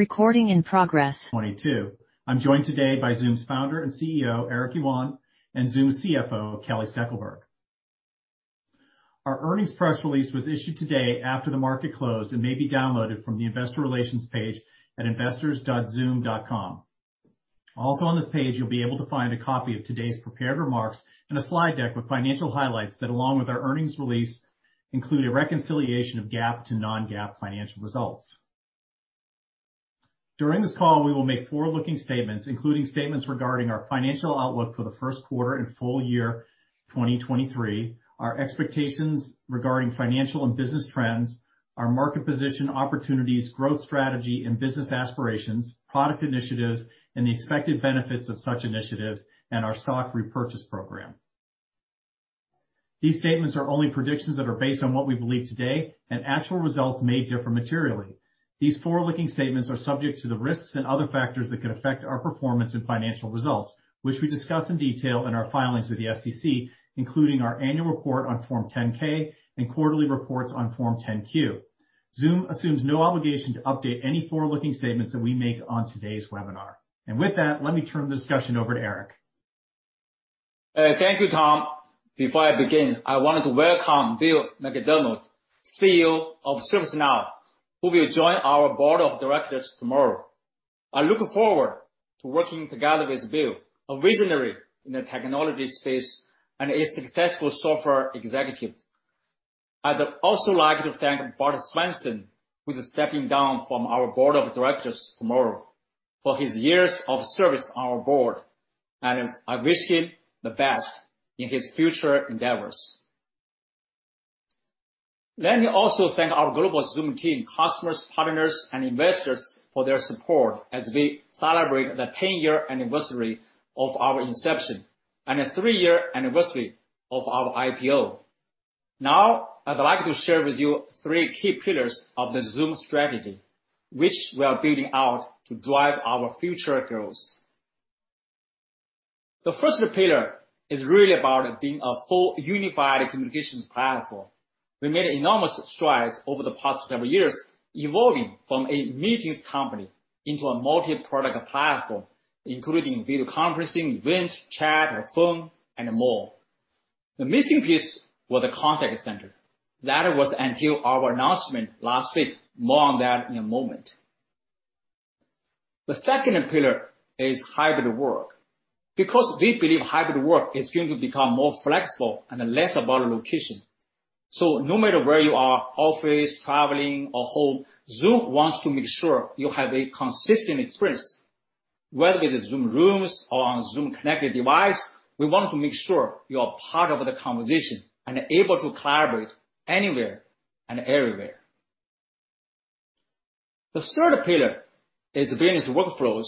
Recording in progress. 22. I'm joined today by Zoom's founder and CEO, Eric Yuan, and Zoom's CFO, Kelly Steckelberg. Our earnings press release was issued today after the market closed, and may be downloaded from the investor relations page at investors.zoom.com. Also on this page, you'll be able to find a copy of today's prepared remarks and a slide deck with financial highlights that, along with our earnings release, include a reconciliation of GAAP to non-GAAP financial results. During this call, we will make forward-looking statements, including statements regarding our financial outlook for the first quarter and full year 2023, our expectations regarding financial and business trends, our market position, opportunities, growth strategy, and business aspirations, product initiatives, and the expected benefits of such initiatives, and our stock repurchase program. These statements are only predictions that are based on what we believe today, and actual results may differ materially. These forward-looking statements are subject to the risks and other factors that could affect our performance and financial results, which we discuss in detail in our filings with the SEC, including our annual report on Form 10-K and quarterly reports on Form 10-Q. Zoom assumes no obligation to update any forward-looking statements that we make on today's webinar. With that, let me turn the discussion over to Eric. Thank you, Tom. Before I begin, I wanted to welcome Bill McDermott, CEO of ServiceNow, who will join our board of directors tomorrow. I look forward to working together with Bill, a visionary in the technology space and a successful software executive. I'd also like to thank Bart Swanson, who is stepping down from our board of directors tomorrow, for his years of service on our board, and I wish him the best in his future endeavors. Let me also thank our global Zoom team, customers, partners, and investors for their support as we celebrate the 10-year anniversary of our inception and the three-year anniversary of our IPO. Now, I'd like to share with you three key pillars of the Zoom strategy, which we are building out to drive our future growth. The first pillar is really about being a full unified communications platform. We made enormous strides over the past several years evolving from a meetings company into a multi-product platform, including video conferencing, events, chat, or phone, and more. The missing piece was a contact center. That was until our announcement last week. More on that in a moment. The second pillar is hybrid work, because we believe hybrid work is going to become more flexible and less about location. So no matter where you are, office, traveling, or home, Zoom wants to make sure you have a consistent experience. Whether it is Zoom Rooms or on a Zoom-connected device, we want to make sure you are part of the conversation and able to collaborate anywhere and everywhere. The third pillar is business workflows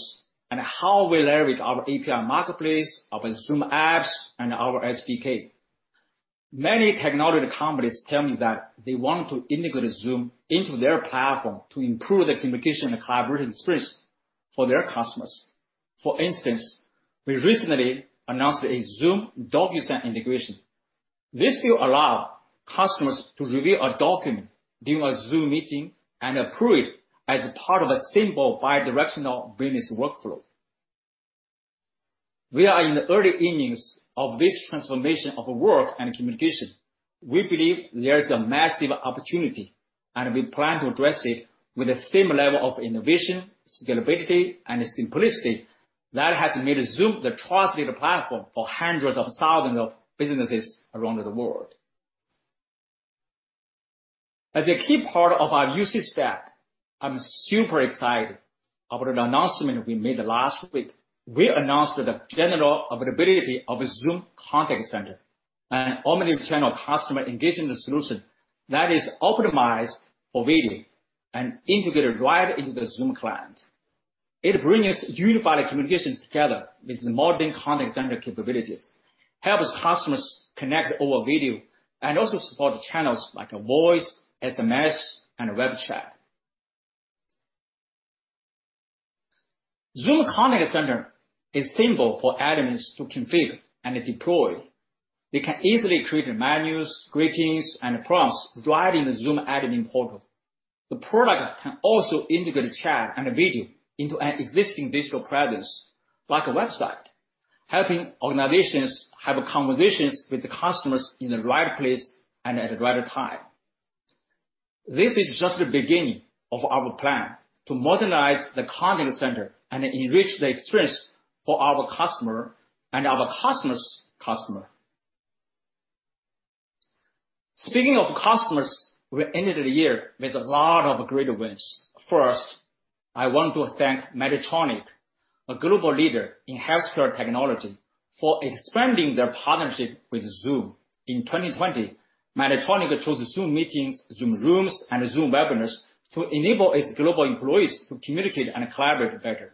and how we leverage our API marketplace, our Zoom Apps, and our SDK. Many technology companies tell me that they want to integrate Zoom into their platform to improve the communication and collaboration experience for their customers. For instance, we recently announced a Zoom DocuSign integration. This will allow customers to review a document during a Zoom meeting and approve it as part of a simple bidirectional business workflow. We are in the early innings of this transformation of work and communication. We believe there's a massive opportunity, and we plan to address it with the same level of innovation, scalability, and simplicity that has made Zoom the trusted platform for hundreds of thousands of businesses around the world. As a key part of our UC stack, I'm super excited about an announcement we made last week. We announced the general availability of Zoom Contact Center, an omnichannel customer engagement solution that is optimized for video and integrated right into the Zoom client. It brings unified communications together with modern contact center capabilities, helps customers connect over video, and also support channels like voice, SMS, and web chat. Zoom Contact Center is simple for admins to configure and deploy. They can easily create menus, greetings, and prompts right in the Zoom admin portal. The product can also integrate chat and video into an existing digital presence, like a website, helping organizations have conversations with the customers in the right place and at the right time. This is just the beginning of our plan to modernize the contact center and enrich the experience for our customer and our customer's customer. Speaking of customers, we ended the year with a lot of great wins. First, I want to thank Medtronic, a global leader in healthcare technology, for expanding their partnership with Zoom. In 2020, Medtronic chose Zoom Meetings, Zoom Rooms, and Zoom Webinars to enable its global employees to communicate and collaborate better.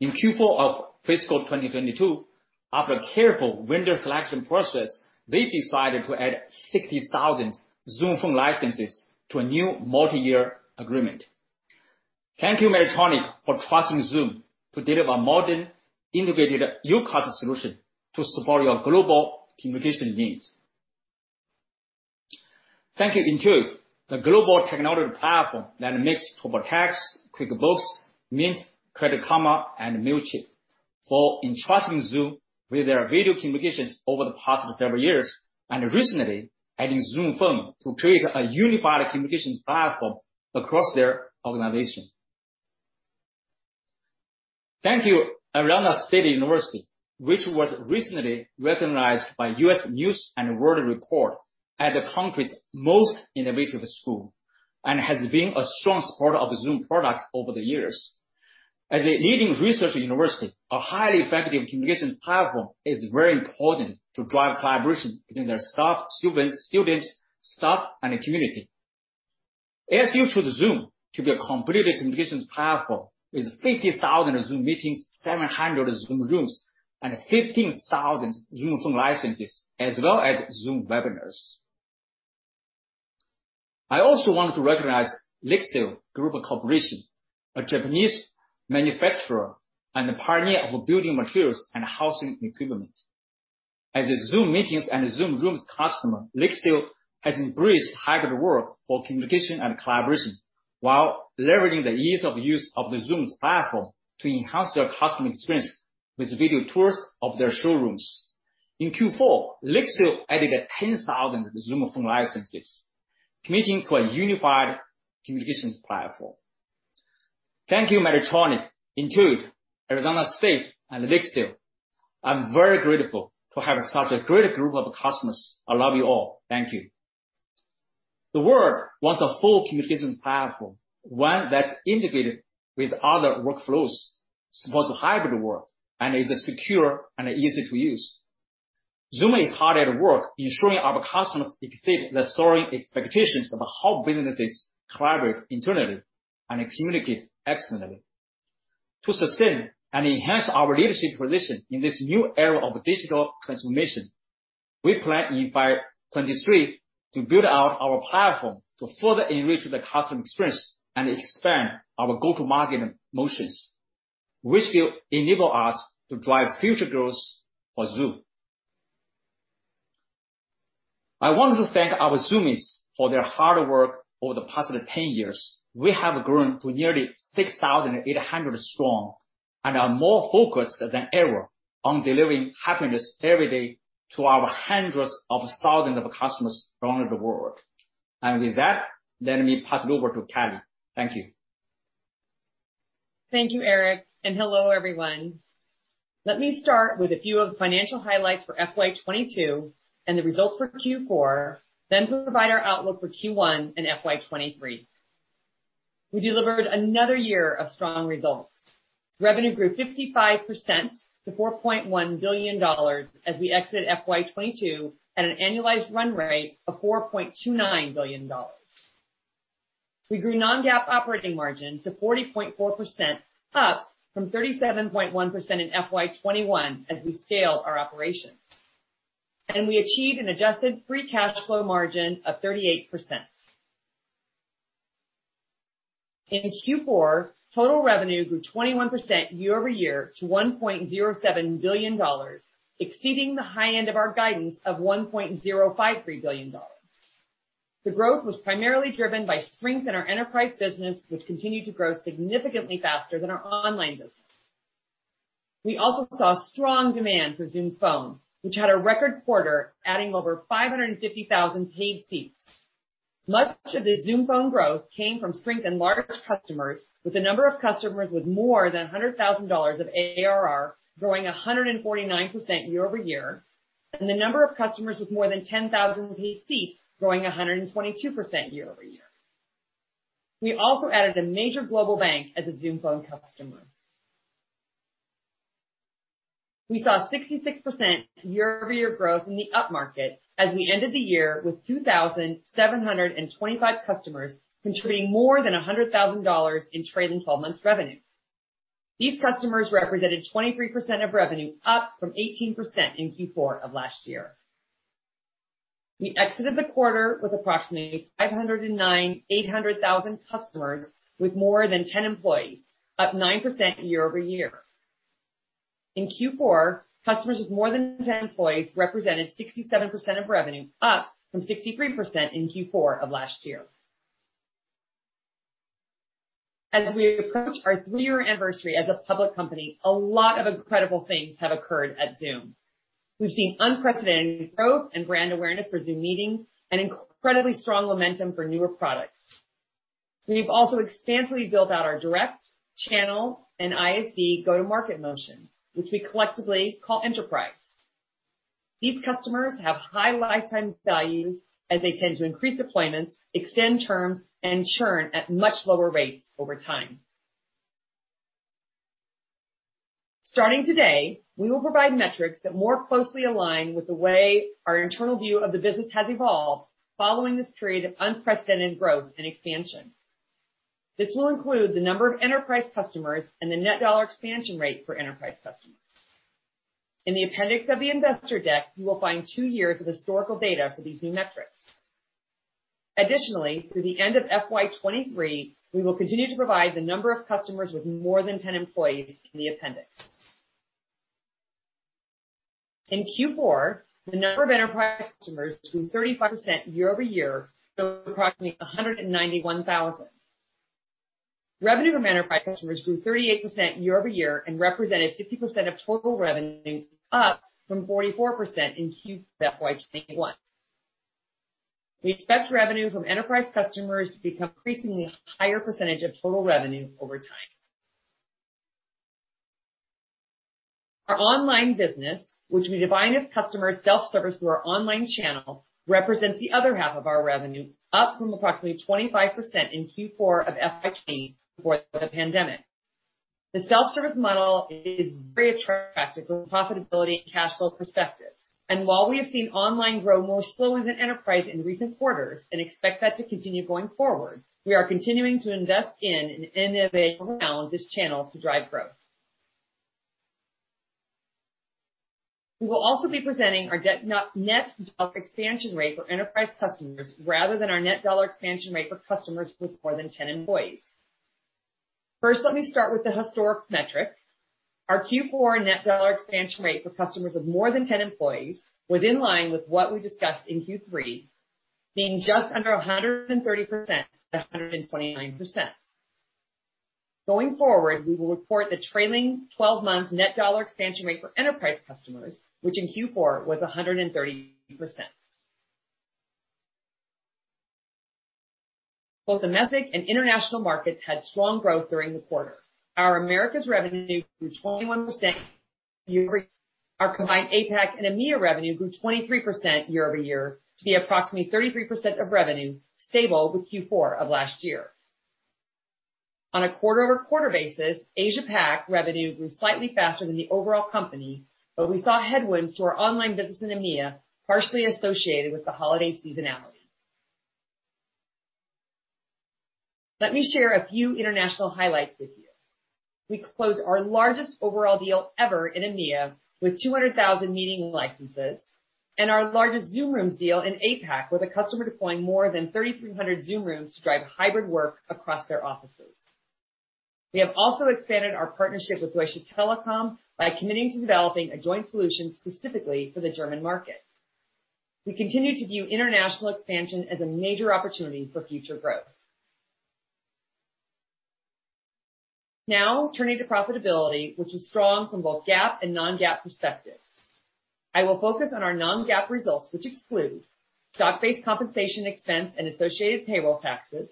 In Q4 of fiscal 2022, after a careful vendor selection process, they decided to add 60,000 Zoom Phone licenses to a new multi-year agreement. Thank you, Medtronic, for trusting Zoom to deliver modern, integrated UCaaS solution to support your global communication needs. Thank you, Intuit, a global technology platform that makes TurboTax, QuickBooks, Mint, Credit Karma, and Mailchimp for entrusting Zoom with their video communications over the past several years, and recently adding Zoom Phone to create a unified communications platform across their organization. Thank you, Arizona State University, which was recently recognized by U.S. News & World Report as the country's most innovative school and has been a strong supporter of Zoom products over the years. As a leading research university, a highly effective communications platform is very important to drive collaboration between their staff, students, staff, and the community. ASU chose Zoom to be a complete communications platform with 50,000 Zoom Meetings, 700 Zoom Rooms, and 15,000 Zoom Phone licenses, as well as Zoom Webinars. I also want to recognize LIXIL Group Corporation, a Japanese manufacturer and a pioneer of building materials and housing equipment. As a Zoom Meetings and Zoom Rooms customer, LIXIL has embraced hybrid work for communication and collaboration while leveraging the ease of use of the Zoom's platform to enhance their customer experience with video tours of their showrooms. In Q4, LIXIL added 10,000 Zoom Phone licenses, committing to a unified communications platform. Thank you, Medtronic, Intuit, Arizona State, and LIXIL. I'm very grateful to have such a great group of customers. I love you all. Thank you. The world wants a full communications platform, one that's integrated with other workflows, supports hybrid work, and is secure and easy to use. Zoom is hard at work ensuring our customers exceed the soaring expectations of how businesses collaborate internally and communicate externally. To sustain and enhance our leadership position in this new era of digital transformation, we plan in FY 2023 to build out our platform to further enrich the customer experience and expand our go-to-market motions, which will enable us to drive future growth for Zoom. I wanted to thank our Zoomies for their hard work over the past 10 years. We have grown to nearly 6,800 strong and are more focused than ever on delivering happiness every day to our hundreds of thousands of customers around the world. With that, let me pass it over to Kelly. Thank you. Thank you, Eric, and hello, everyone. Let me start with a few of the financial highlights for FY 2022 and the results for Q4, then provide our outlook for Q1 and FY 2023. We delivered another year of strong results. Revenue grew 55% to $4.1 billion as we exit FY 2022 at an annualized run rate of $4.29 billion. We grew non-GAAP operating margin to 40.4%, up from 37.1% in FY 2021 as we scale our operations. We achieved an adjusted free cash flow margin of 38%. In Q4, total revenue grew 21% year-over-year to $1.07 billion, exceeding the high end of our guidance of $1.053 billion. The growth was primarily driven by strength in our enterprise business, which continued to grow significantly faster than our online business. We also saw strong demand for Zoom Phone, which had a record quarter, adding over 550,000 paid seats. Much of the Zoom Phone growth came from strength in large customers, with the number of customers with more than $100,000 of ARR growing 149% year-over-year, and the number of customers with more than 10,000 paid seats growing 122% year-over-year. We also added a major global bank as a Zoom Phone customer. We saw 66% year-over-year growth in the upmarket as we ended the year with 2,725 customers contributing more than $100,000 in trailing 12 months revenue. These customers represented 23% of revenue, up from 18% in Q4 of last year. We exited the quarter with approximately 598,000 customers with more than 10 employees, up 9% year-over-year. In Q4, customers with more than 10 employees represented 67% of revenue, up from 63% in Q4 of last year. As we approach our three-year anniversary as a public company, a lot of incredible things have occurred at Zoom. We've seen unprecedented growth and brand awareness for Zoom Meeting and incredibly strong momentum for newer products. We've also expansively built out our direct channel and ISV go-to-market motion, which we collectively call Enterprise. These customers have high lifetime value, and they tend to increase deployments, extend terms, and churn at much lower rates over time. Starting today, we will provide metrics that more closely align with the way our internal view of the business has evolved following this period of unprecedented growth and expansion. This will include the number of Enterprise customers and the net dollar expansion rate for Enterprise customers. In the appendix of the investor deck, you will find two years of historical data for these new metrics. Additionally, through the end of FY 2023, we will continue to provide the number of customers with more than 10 employees in the appendix. In Q4, the number of enterprise customers grew 35% year-over-year to approximately 191,000. Revenue from enterprise customers grew 38% year-over-year and represented 50% of total revenue, up from 44% in Q4 FY 2021. We expect revenue from enterprise customers to become increasingly higher percentage of total revenue over time. Our online business, which we define as customer self-service through our online channel, represents the other half of our revenue, up from approximately 25% in Q4 of FY 2020 before the pandemic. The self-service model is very attractive from profitability and cash flow perspective. While we have seen online grow more slowly than enterprise in recent quarters and expect that to continue going forward, we are continuing to invest in and innovate around this channel to drive growth. We will also be presenting our net dollar expansion rate for enterprise customers rather than our net dollar expansion rate for customers with more than 10 employees. First, let me start with the historic metrics. Our Q4 net dollar expansion rate for customers with more than 10 employees was in line with what we discussed in Q3, being just under 130% to 129%. Going forward, we will report the trailing twelve-month net dollar expansion rate for enterprise customers, which in Q4 was 130%. Both domestic and international markets had strong growth during the quarter. Our Americas revenue grew 21% year over year. Our combined APAC and EMEA revenue grew 23% year over year to be approximately 33% of revenue, stable with Q4 of last year. On a quarter-over-quarter basis, Asia Pac revenue grew slightly faster than the overall company, but we saw headwinds to our online business in EMEA, partially associated with the holiday seasonality. Let me share a few international highlights with you. We closed our largest overall deal ever in EMEIA with 200,000 meeting licenses and our largest Zoom Rooms deal in APAC, with a customer deploying more than 3,300 Zoom Rooms to drive hybrid work across their offices. We have also expanded our partnership with Deutsche Telekom by committing to developing a joint solution specifically for the German market. We continue to view international expansion as a major opportunity for future growth. Now turning to profitability, which is strong from both GAAP and non-GAAP perspectives. I will focus on our non-GAAP results, which exclude stock-based compensation expense and associated payroll taxes,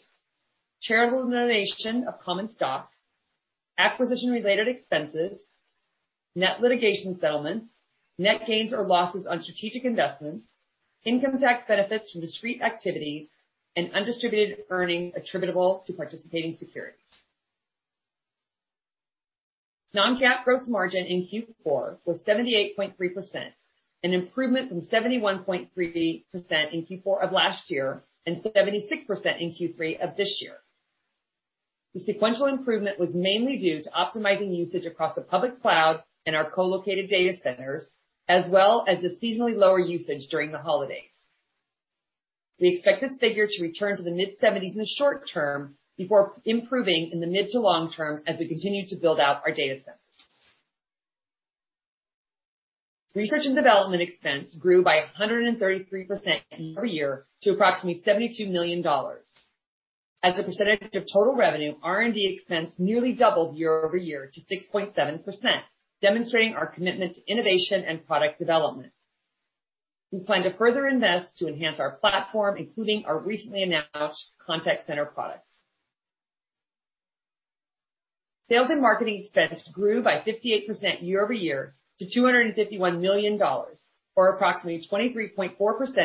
charitable donation of common stock, acquisition-related expenses, net litigation settlements, net gains or losses on strategic investments, income tax benefits from discrete activities, and undistributed earnings attributable to participating securities. Non-GAAP gross margin in Q4 was 78.3%, an improvement from 71.3% in Q4 of last year and 76% in Q3 of this year. The sequential improvement was mainly due to optimizing usage across the public cloud and our co-located data centers, as well as the seasonally lower usage during the holidays. We expect this figure to return to the mid-70s in the short term before improving in the mid- to long-term as we continue to build out our data centers. Research and development expense grew by 133% year-over-year to approximately $72 million. As a percentage of total revenue, R&D expense nearly doubled year-over-year to 6.7%, demonstrating our commitment to innovation and product development. We plan to further invest to enhance our platform, including our recently announced contact center products. Sales and marketing expense grew by 58% year-over-year to $251 million, or approximately 23.4%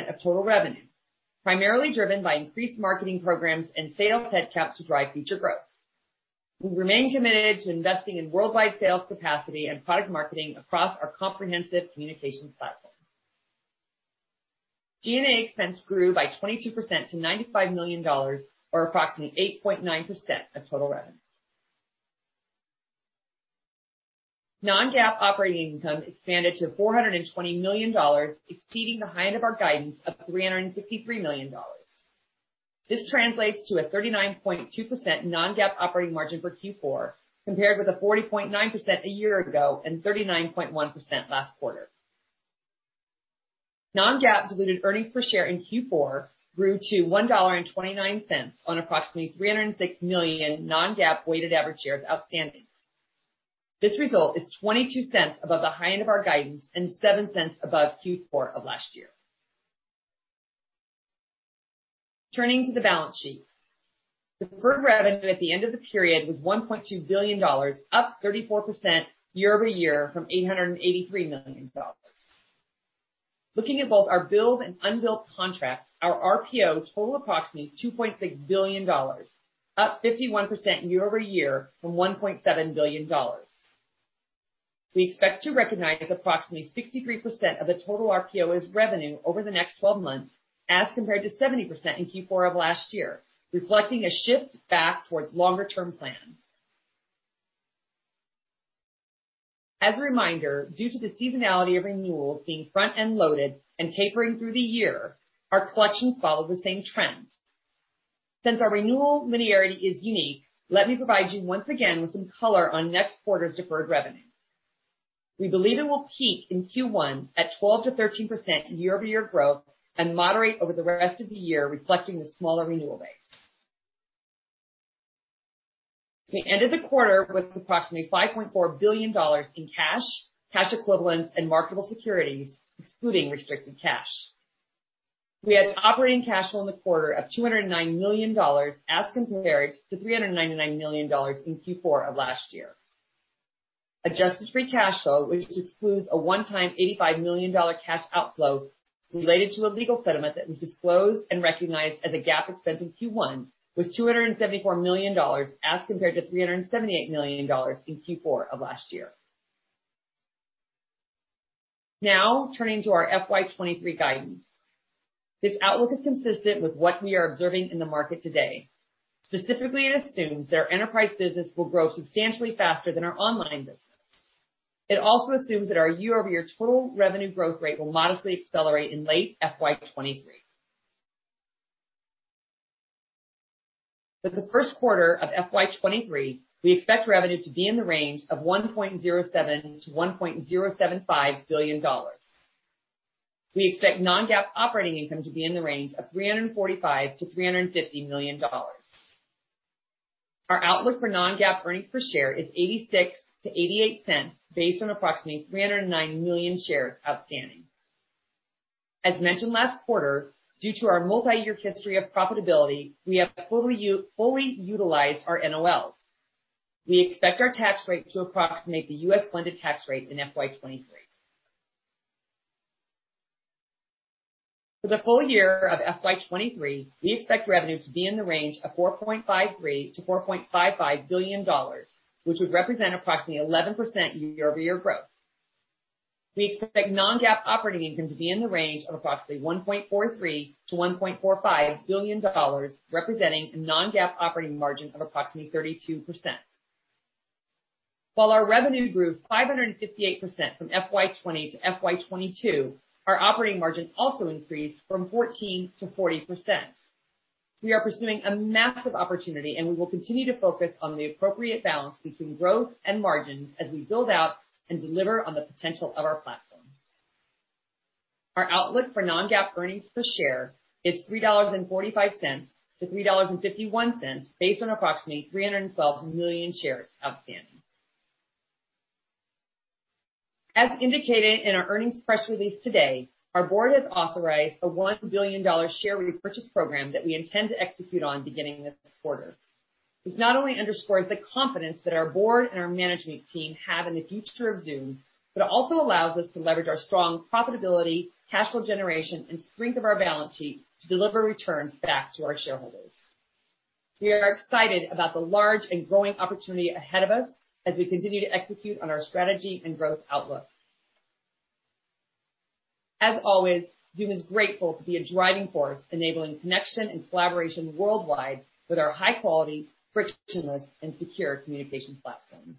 of total revenue, primarily driven by increased marketing programs and sales headcount to drive future growth. We remain committed to investing in worldwide sales capacity and product marketing across our comprehensive communications platform. G&A expense grew by 22% to $95 million, or approximately 8.9% of total revenue. Non-GAAP operating income expanded to $420 million, exceeding the high end of our guidance of $363 million. This translates to a 39.2% non-GAAP operating margin for Q4, compared with a 40.9% a year ago and 39.1% last quarter. Non-GAAP diluted earnings per share in Q4 grew to $1.29 on approximately 306 million non-GAAP weighted average shares outstanding. This result is $0.22 above the high end of our guidance and $0.07 above Q4 of last year. Turning to the balance sheet. Deferred revenue at the end of the period was $1.2 billion, up 34% year-over-year from $883 million. Looking at both our billed and unbilled contracts, our RPO total approximately $2.6 billion, up 51% year-over-year from $1.7 billion. We expect to recognize approximately 63% of the total RPO as revenue over the next 12 months, as compared to 70% in Q4 of last year, reflecting a shift back towards longer-term plans. As a reminder, due to the seasonality of renewals being front and loaded and tapering through the year, our collections follow the same trends. Since our renewal linearity is unique, let me provide you once again with some color on next quarter's deferred revenue. We believe it will peak in Q1 at 12%-13% year-over-year growth and moderate over the rest of the year, reflecting the smaller renewal base. We ended the quarter with approximately $5.4 billion in cash equivalents, and marketable securities, excluding restricted cash. We had operating cash flow in the quarter of $209 million as compared to $399 million in Q4 of last year. Adjusted free cash flow, which excludes a one-time $85 million cash outflow related to a legal settlement that was disclosed and recognized as a GAAP expense in Q1, was $274 million as compared to $378 million in Q4 of last year. Now turning to our FY 2023 guidance. This outlook is consistent with what we are observing in the market today. Specifically, it assumes that our enterprise business will grow substantially faster than our online business. It also assumes that our year-over-year total revenue growth rate will modestly accelerate in late FY 2023. For the first quarter of FY 2023, we expect revenue to be in the range of $1.07-$1.075 billion. We expect non-GAAP operating income to be in the range of $345-$350 million. Our outlook for non-GAAP earnings per share is $0.86-$0.88 based on approximately 309 million shares outstanding. As mentioned last quarter, due to our multi-year history of profitability, we have fully utilized our NOLs. We expect our tax rate to approximate the U.S. blended tax rate in FY 2023. For the full year of FY 2023, we expect revenue to be in the range of $4.53 billion-$4.55 billion, which would represent approximately 11% year-over-year growth. We expect non-GAAP operating income to be in the range of approximately $1.43 billion-$1.45 billion, representing a non-GAAP operating margin of approximately 32%. While our revenue grew 558% from FY 2020 to FY 2022, our operating margin also increased from 14%-40%. We are pursuing a massive opportunity, and we will continue to focus on the appropriate balance between growth and margins as we build out and deliver on the potential of our platform. Our outlook for non-GAAP earnings per share is $3.45-$3.51 based on approximately 312 million shares outstanding. As indicated in our earnings press release today, our board has authorized a $1 billion share repurchase program that we intend to execute on beginning this quarter. This not only underscores the confidence that our board and our management team have in the future of Zoom, but it also allows us to leverage our strong profitability, cash flow generation, and strength of our balance sheet to deliver returns back to our shareholders. We are excited about the large and growing opportunity ahead of us as we continue to execute on our strategy and growth outlook. As always, Zoom is grateful to be a driving force, enabling connection and collaboration worldwide with our high quality, frictionless, and secure communications platform.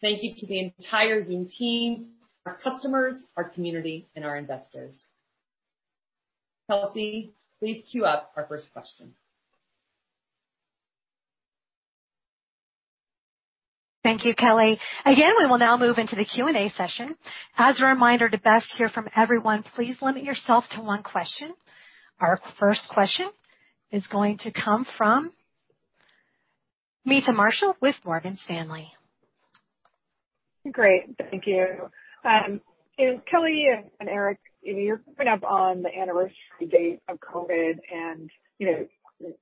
Thank you to the entire Zoom team, our customers, our community, and our investors. Kelsey, please queue up our first question. Thank you, Kelly. Again, we will now move into the Q&A session. As a reminder, to best hear from everyone, please limit yourself to one question. Our first question is going to come from Meta Marshall with Morgan Stanley. Great. Thank you. Kelly and Eric, you're coming up on the anniversary date of COVID and, you know,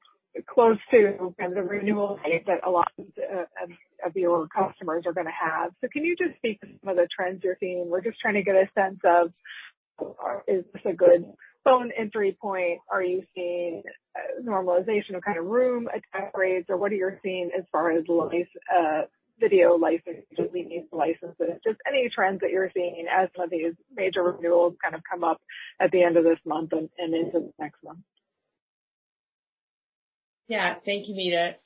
close to kind of the renewal date that a lot of your customers are gonna have. Can you just speak to some of the trends you're seeing? We're just trying to get a sense of is this a good phone entry point? Are you seeing normalization of kind of room adoption rates? Or what are you seeing as far as video licenses? Just any trends that you're seeing as some of these major renewals kind of come up at the end of this month and into next month. Yeah. Thank you, Meta.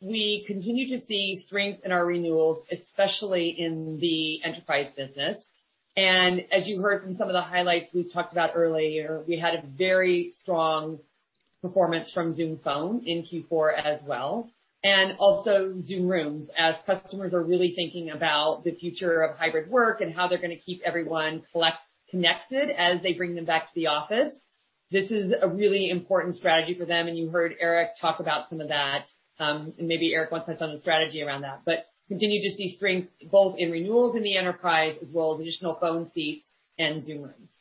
We continue to see strength in our renewals, especially in the enterprise business. As you heard from some of the highlights we talked about earlier, we had a very strong performance from Zoom Phone in Q4 as well, and also Zoom Rooms. As customers are really thinking about the future of hybrid work and how they're gonna keep everyone connected as they bring them back to the office, this is a really important strategy for them. You heard Eric talk about some of that. Maybe Eric wants to touch on the strategy around that. Continue to see strength both in renewals in the enterprise as well as additional phone seats and Zoom Rooms.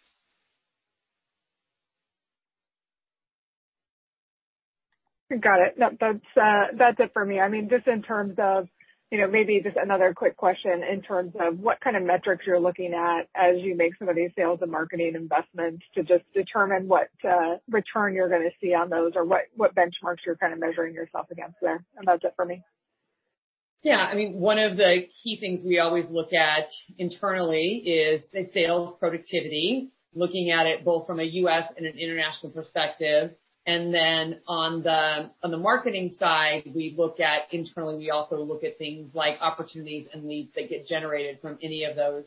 Got it. No, that's it for me. I mean, just in terms of, you know, maybe just another quick question in terms of what kind of metrics you're looking at as you make some of these sales and marketing investments to just determine what return you're gonna see on those or what benchmarks you're kind of measuring yourself against there. That's it for me. Yeah. I mean, one of the key things we always look at internally is the sales productivity, looking at it both from a U.S. and an international perspective. On the marketing side, we look at internally. We also look at things like opportunities and leads that get generated from any of those.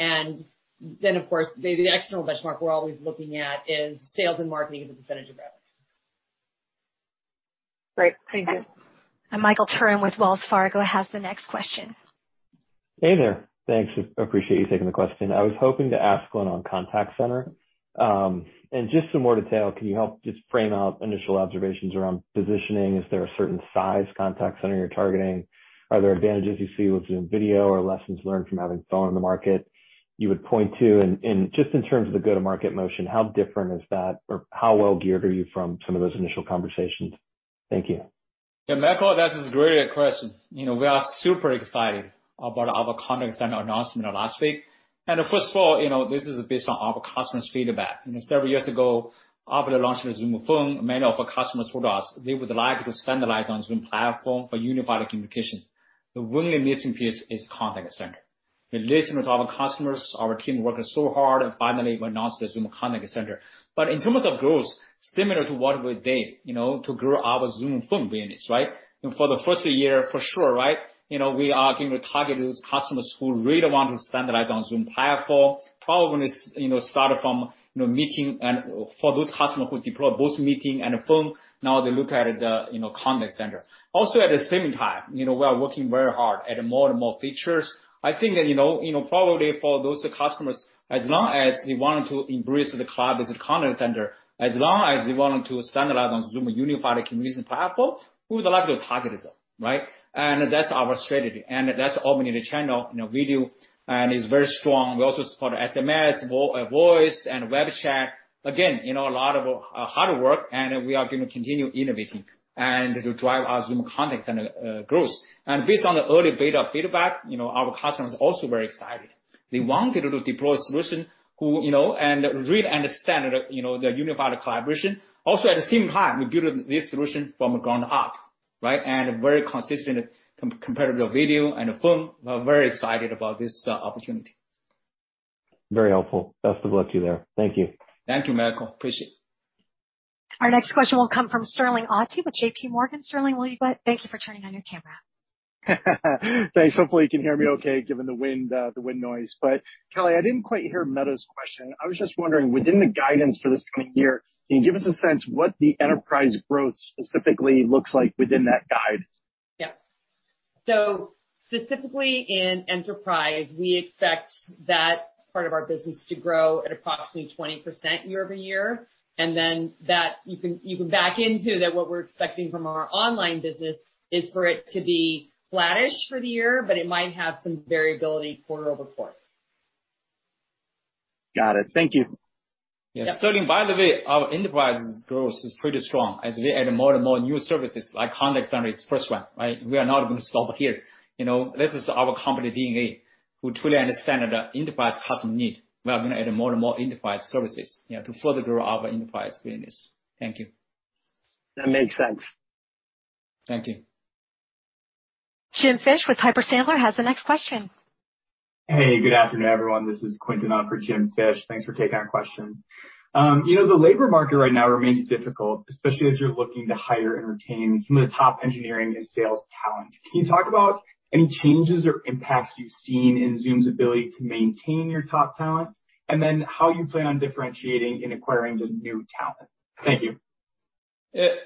Of course, the external benchmark we're always looking at is sales and marketing as a percentage of rev. Great. Thank you. Michael Turrin with Wells Fargo has the next question. Hey there. Thanks. Appreciate you taking the question. I was hoping to ask one on contact center. Just some more detail, can you help just frame out initial observations around positioning? Is there a certain size contact center you're targeting? Are there advantages you see with Zoom Video or lessons learned from having Phone in the market you would point to? Just in terms of the go-to-market motion, how different is that or how well geared are you from some of those initial conversations? Thank you. Yeah, Michael, that is a great question. You know, we are super excited about our contact center announcement last week. First of all, you know, this is based on our customers' feedback. You know, several years ago, after the launch of Zoom Phone, many of our customers told us they would like to standardize on Zoom platform for unified communication. The one missing piece is contact center. We listened to our customers, our team worked so hard, and finally we announced the Zoom Contact Center. In terms of growth, similar to what we did, you know, to grow our Zoom Phone business, right? You know, for the first year, for sure, right, you know, we are going to target those customers who really want to standardize on Zoom platform. Problem is, you know, started from, you know, Meeting and for those customers who deployed both Meeting and Phone, now they look at the, you know, contact center. Also, at the same time, you know, we are working very hard at more and more features. I think that, you know, probably for those customers, as long as they wanted to embrace the cloud-based contact center, as long as they wanted to standardize on Zoom unified communication platform, we would like to target them, right? That's our strategy. That's opening the channel, you know, video, and it's very strong. We also support SMS, voice, and web chat. Again, you know, a lot of hard work, and we are gonna continue innovating and to drive our Zoom Contact Center growth. Based on the early beta feedback, you know, our customers are also very excited. They wanted to deploy a solution, you know, and really understand, you know, the unified collaboration. Also, at the same time, we built this solution from the ground up, right? Very consistent comparable video and phone. We're very excited about this opportunity. Very helpful. Best of luck to you there. Thank you. Thank you, Michael. Appreciate it. Our next question will come from Sterling Auty with JP Morgan. Sterling, will you go ahead? Thank you for turning on your camera. Thanks. Hopefully, you can hear me okay, given the wind, the wind noise. Kelly, I didn't quite hear Meta's question. I was just wondering, within the guidance for this coming year, can you give us a sense what the enterprise growth specifically looks like within that guide? Yeah. Specifically in enterprise, we expect that part of our business to grow at approximately 20% year-over-year, and then that you can back into that what we're expecting from our online business is for it to be flattish for the year, but it might have some variability quarter-over-quarter. Got it. Thank you. Yeah. Yes. Sterling, by the way, our enterprise growth is pretty strong as we add more and more new services like contact center is first one, right? We are not gonna stop here. You know, this is our company DNA. We truly understand the enterprise customer need. We are gonna add more and more enterprise services, you know, to further grow our enterprise business. Thank you. That makes sense. Thank you. Jim Fish with Piper Sandler has the next question. Hey, good afternoon, everyone. This is Quinton on for Jim Fish. Thanks for taking our question. You know, the labor market right now remains difficult, especially as you're looking to hire and retain some of the top engineering and sales talent. Can you talk about any changes or impacts you've seen in Zoom's ability to maintain your top talent? And then how you plan on differentiating and acquiring the new talent? Thank you.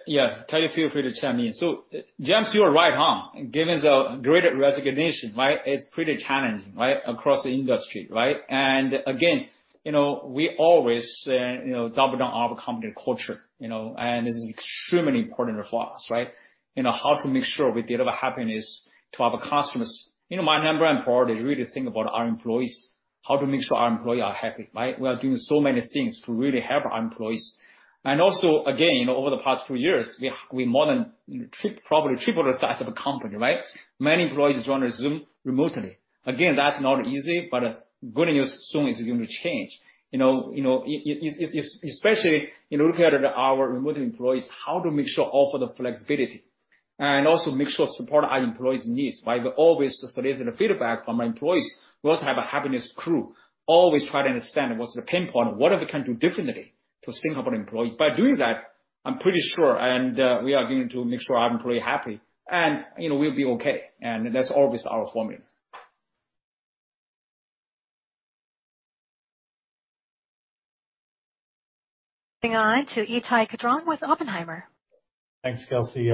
Yeah. Kelly, feel free to chime in. James, you are right. Given the Great Resignation, right, it's pretty challenging, right? Across the industry, right? Again, you know, we always, you know, double down on our company culture, you know, and this is extremely important for us, right? You know, how to make sure we deliver happiness to our customers. You know, my number one priority is really to think about our employees, how to make sure our employees are happy, right? We are doing so many things to really help our employees. Also, again, you know, over the past two years, we more than tripled the size of the company, right? Many employees joined Zoom remotely. Again, that's not easy, but good news, Zoom is gonna change. You know, especially in looking at our remote employees, how to make sure offer the flexibility and also make sure support our employees' needs by always soliciting feedback from our employees. We also have a happiness crew, always try to understand what's the pain point, what we can do differently to think of our employees. By doing that, I'm pretty sure, and we are going to make sure our employees are happy, and, you know, we'll be okay. That's always our formula. Moving on to Ittai Kidron with Oppenheimer. Thanks, Kelsey.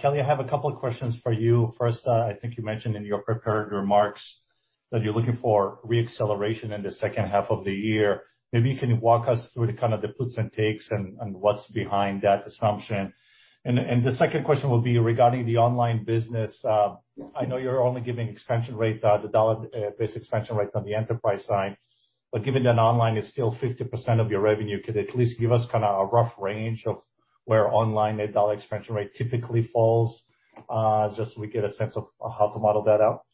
Kelly, I have a couple of questions for you. First, I think you mentioned in your prepared remarks that you're looking for re-acceleration in the second half of the year. Maybe you can walk us through the kind of the puts and takes and what's behind that assumption. The second question would be regarding the online business. I know you're only giving expansion rate, the dollar-based expansion rate on the enterprise side, but given that online is still 50% of your revenue, could you at least give us kinda a rough range of where online that dollar-based expansion rate typically falls, just so we get a sense of how to model that out?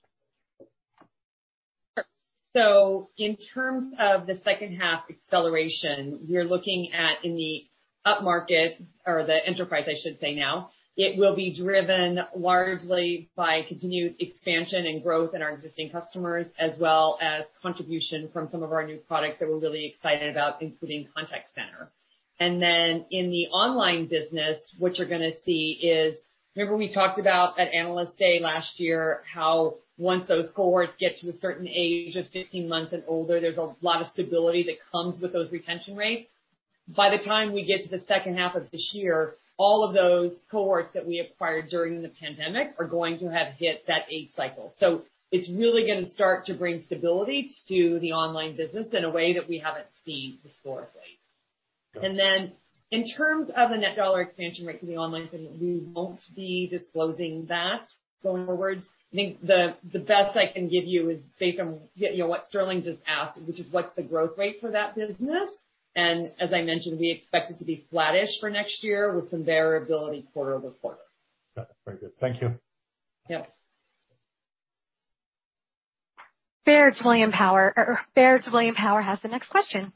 Sure. In terms of the second half acceleration, we're looking at in the upmarket or the enterprise, I should say now, it will be driven largely by continued expansion and growth in our existing customers, as well as contribution from some of our new products that we're really excited about, including contact center. In the online business, what you're gonna see is, remember we talked about at Analyst Day last year how once those cohorts get to a certain age of 16 months and older, there's a lot of stability that comes with those retention rates? By the time we get to the second half of this year, all of those cohorts that we acquired during the pandemic are going to have hit that age cycle. It's really gonna start to bring stability to the online business in a way that we haven't seen historically. Then in terms of the net dollar expansion rate for the online business, we won't be disclosing that going forward. I think the best I can give you is based on, you know, what Sterling just asked, which is what's the growth rate for that business. As I mentioned, we expect it to be flattish for next year with some variability quarter over quarter. Got it. Very good. Thank you. Yep. Baird, William Power has the next question.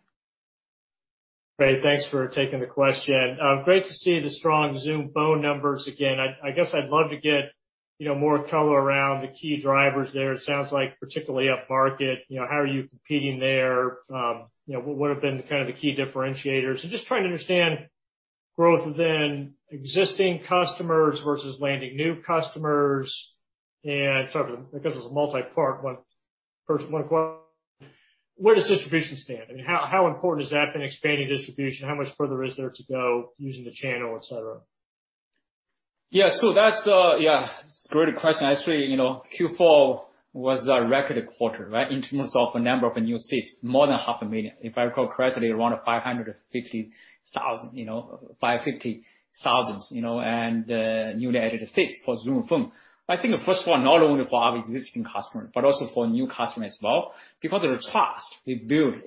Great. Thanks for taking the question. Great to see the strong Zoom Phone numbers again. I guess I'd love to get, you know, more color around the key drivers there. It sounds like particularly up market, you know, how are you competing there? You know, what would have been kind of the key differentiators? So just trying to understand growth within existing customers versus landing new customers, and sorry for the multi-part one. First one, where does distribution stand? I mean, how important has that been expanding distribution? How much further is there to go using the channel, etc.? Yeah, that's a great question. Actually, you know, Q4 was a record quarter, right? In terms of the number of new seats, more than 500,000. If I recall correctly, around 550,000 newly added seats for Zoom Phone. I think first of all, not only for our existing customers, but also for new customers as well, because of the trust we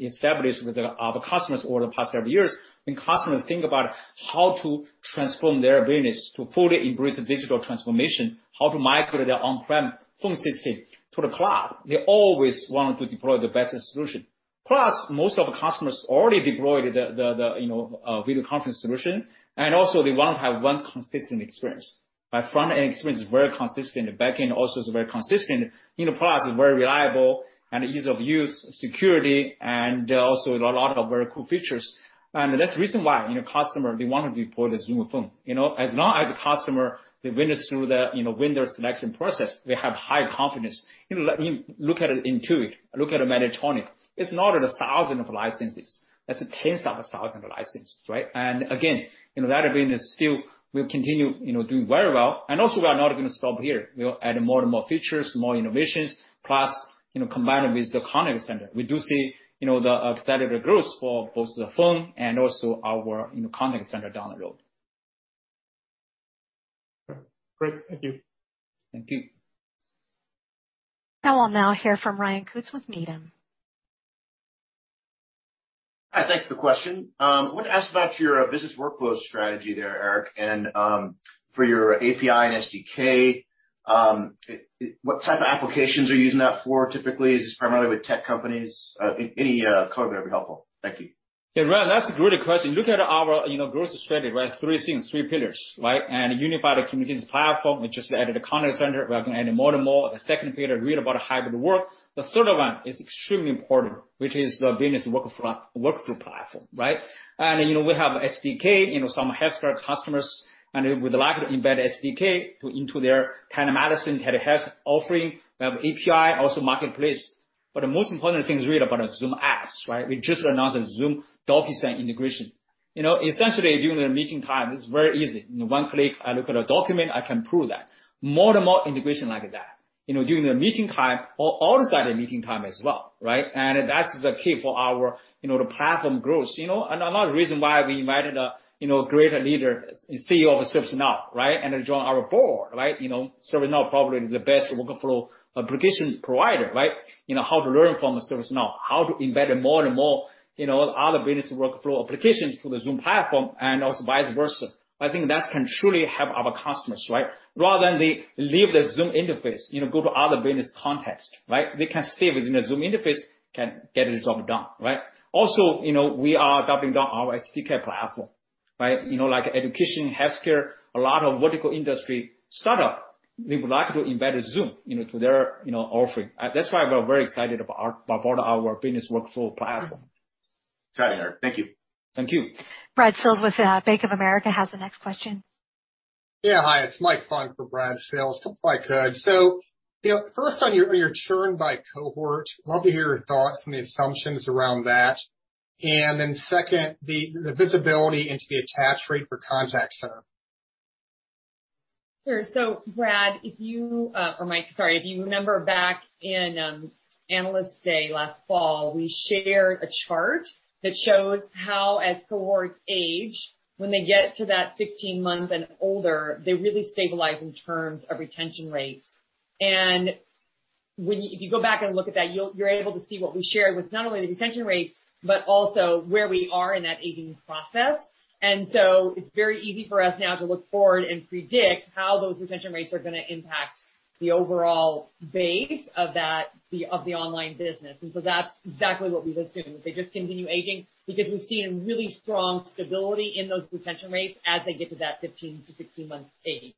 established with our customers over the past several years, when customers think about how to transform their business to fully embrace digital transformation, how to migrate their on-prem phone system to the cloud, they always want to deploy the best solution. Plus, most of the customers already deployed the video conference solution, and also they want to have one consistent experience. My front-end experience is very consistent. The back-end also is very consistent. You know, product is very reliable and ease of use, security, and also a lot of very cool features. That's the reason why, you know, customer, they want to deploy the Zoom Phone. You know, as long as the customer, they went through the vendor selection process, they have high confidence. You know, let me look at Intuit, look at Medtronic. It's not 1,000 licenses. That's tens of thousands of licenses, right? Again, you know, that business still will continue, you know, doing very well, and also we are not gonna stop here. We'll add more and more features, more innovations, plus, you know, combine it with the contact center. We do see, you know, the accelerated growth for both the Phone and also our, you know, Contact Center down the road. Okay, great. Thank you. Thank you. I will now hear from Ryan Koontz with Needham. Hi, thanks for the question. I wanted to ask about your business workflow strategy there, Eric, and for your API and SDK. What type of applications are you using that for typically? Is this primarily with tech companies? Any color would be helpful. Thank you. Yeah, Ryan, that's a great question. Look at our, you know, growth strategy, right? Three things, three pillars, right? Unify the communications platform. We just added a contact center. We are gonna add more and more. The second pillar, really about hybrid work. The third one is extremely important, which is the business workflow platform, right? You know, we have SDK, you know, some healthcare customers, and they would like to embed SDK into their telemedicine, telehealth offering. We have API, also Marketplace. But the most important thing is really about Zoom Apps, right? We just announced Zoom DocuSign integration. You know, essentially, during the meeting time, it's very easy. In one click, I look at a document, I can approve that. More and more integration like that. You know, during the meeting time or outside the meeting time as well, right? That is the key for our, you know, the platform growth, you know. Another reason why we invited a, you know, great leader, CEO of ServiceNow, right? To join our board, right? You know, ServiceNow, probably the best workflow application provider, right? You know, how to learn from ServiceNow, how to embed more and more, you know, other business workflow applications to the Zoom platform and also vice versa. I think that can truly help our customers, right? Rather than they leave the Zoom interface, you know, go to other business context, right? They can stay within the Zoom interface, can get the job done, right? Also, you know, we are doubling down our SDK platform, right? You know, like education, healthcare, a lot of vertical industry startup, they would like to embed Zoom, you know, to their, you know, offering. That's why we're very excited about our business workflow platform. Got it, Eric. Thank you. Thank you. Brad Sills with Bank of America has the next question. Hi. It's Michael Funk for Brad Sills. If I could. You know, first on your churn by cohort, love to hear your thoughts and the assumptions around that. Second, the visibility into the attach rate for contact center. Sure. Brad, if you or Mike, sorry. If you remember back in Analyst Day last fall, we shared a chart that shows how as cohorts age, when they get to that 16 months and older, they really stabilize in terms of retention rates. When you go back and look at that, you're able to see what we shared with not only the retention rates, but also where we are in that aging process. It's very easy for us now to look forward and predict how those retention rates are gonna impact the overall base of that of the online business. That's exactly what we would assume, that they just continue aging because we've seen really strong stability in those retention rates as they get to that 15-16 months age.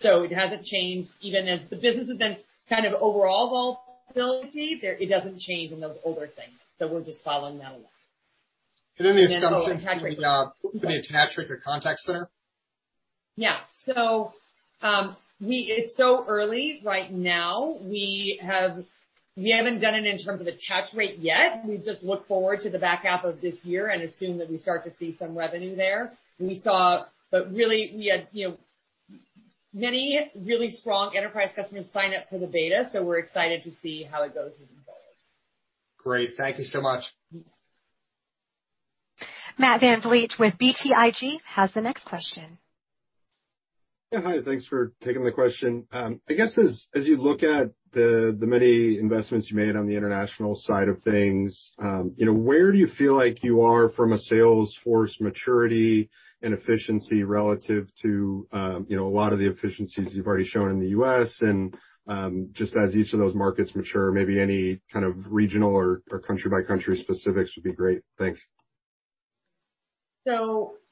It hasn't changed. Even as the business has been kind of overall volatile, there, it doesn't change in those older things. We're just following that along. The assumption for the attach rate for contact center? It's so early right now. We haven't done it in terms of attach rate yet. We just look forward to the back half of this year and assume that we start to see some revenue there. Really we had, you know, many really strong enterprise customers sign up for the beta, so we're excited to see how it goes as we go. Great. Thank you so much. Matt VanVliet with BTIG has the next question. Yeah, hi. Thanks for taking the question. I guess as you look at the many investments you made on the international side of things, you know, where do you feel like you are from a sales force maturity and efficiency relative to, you know, a lot of the efficiencies you've already shown in the U.S.? Just as each of those markets mature, maybe any kind of regional or country by country specifics would be great. Thanks.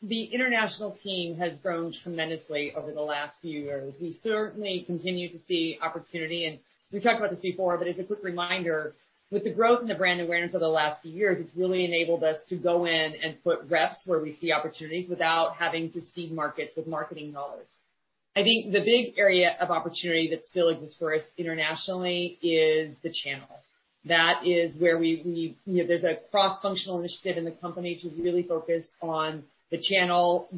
The international team has grown tremendously over the last few years. We certainly continue to see opportunity and we've talked about this before, but as a quick reminder, with the growth in the brand awareness over the last few years, it's really enabled us to go in and put reps where we see opportunities without having to seed markets with marketing dollars. I think the big area of opportunity that still exists for us internationally is the channel. That is where we, you know, there's a cross-functional initiative in the company to really focus on the channel,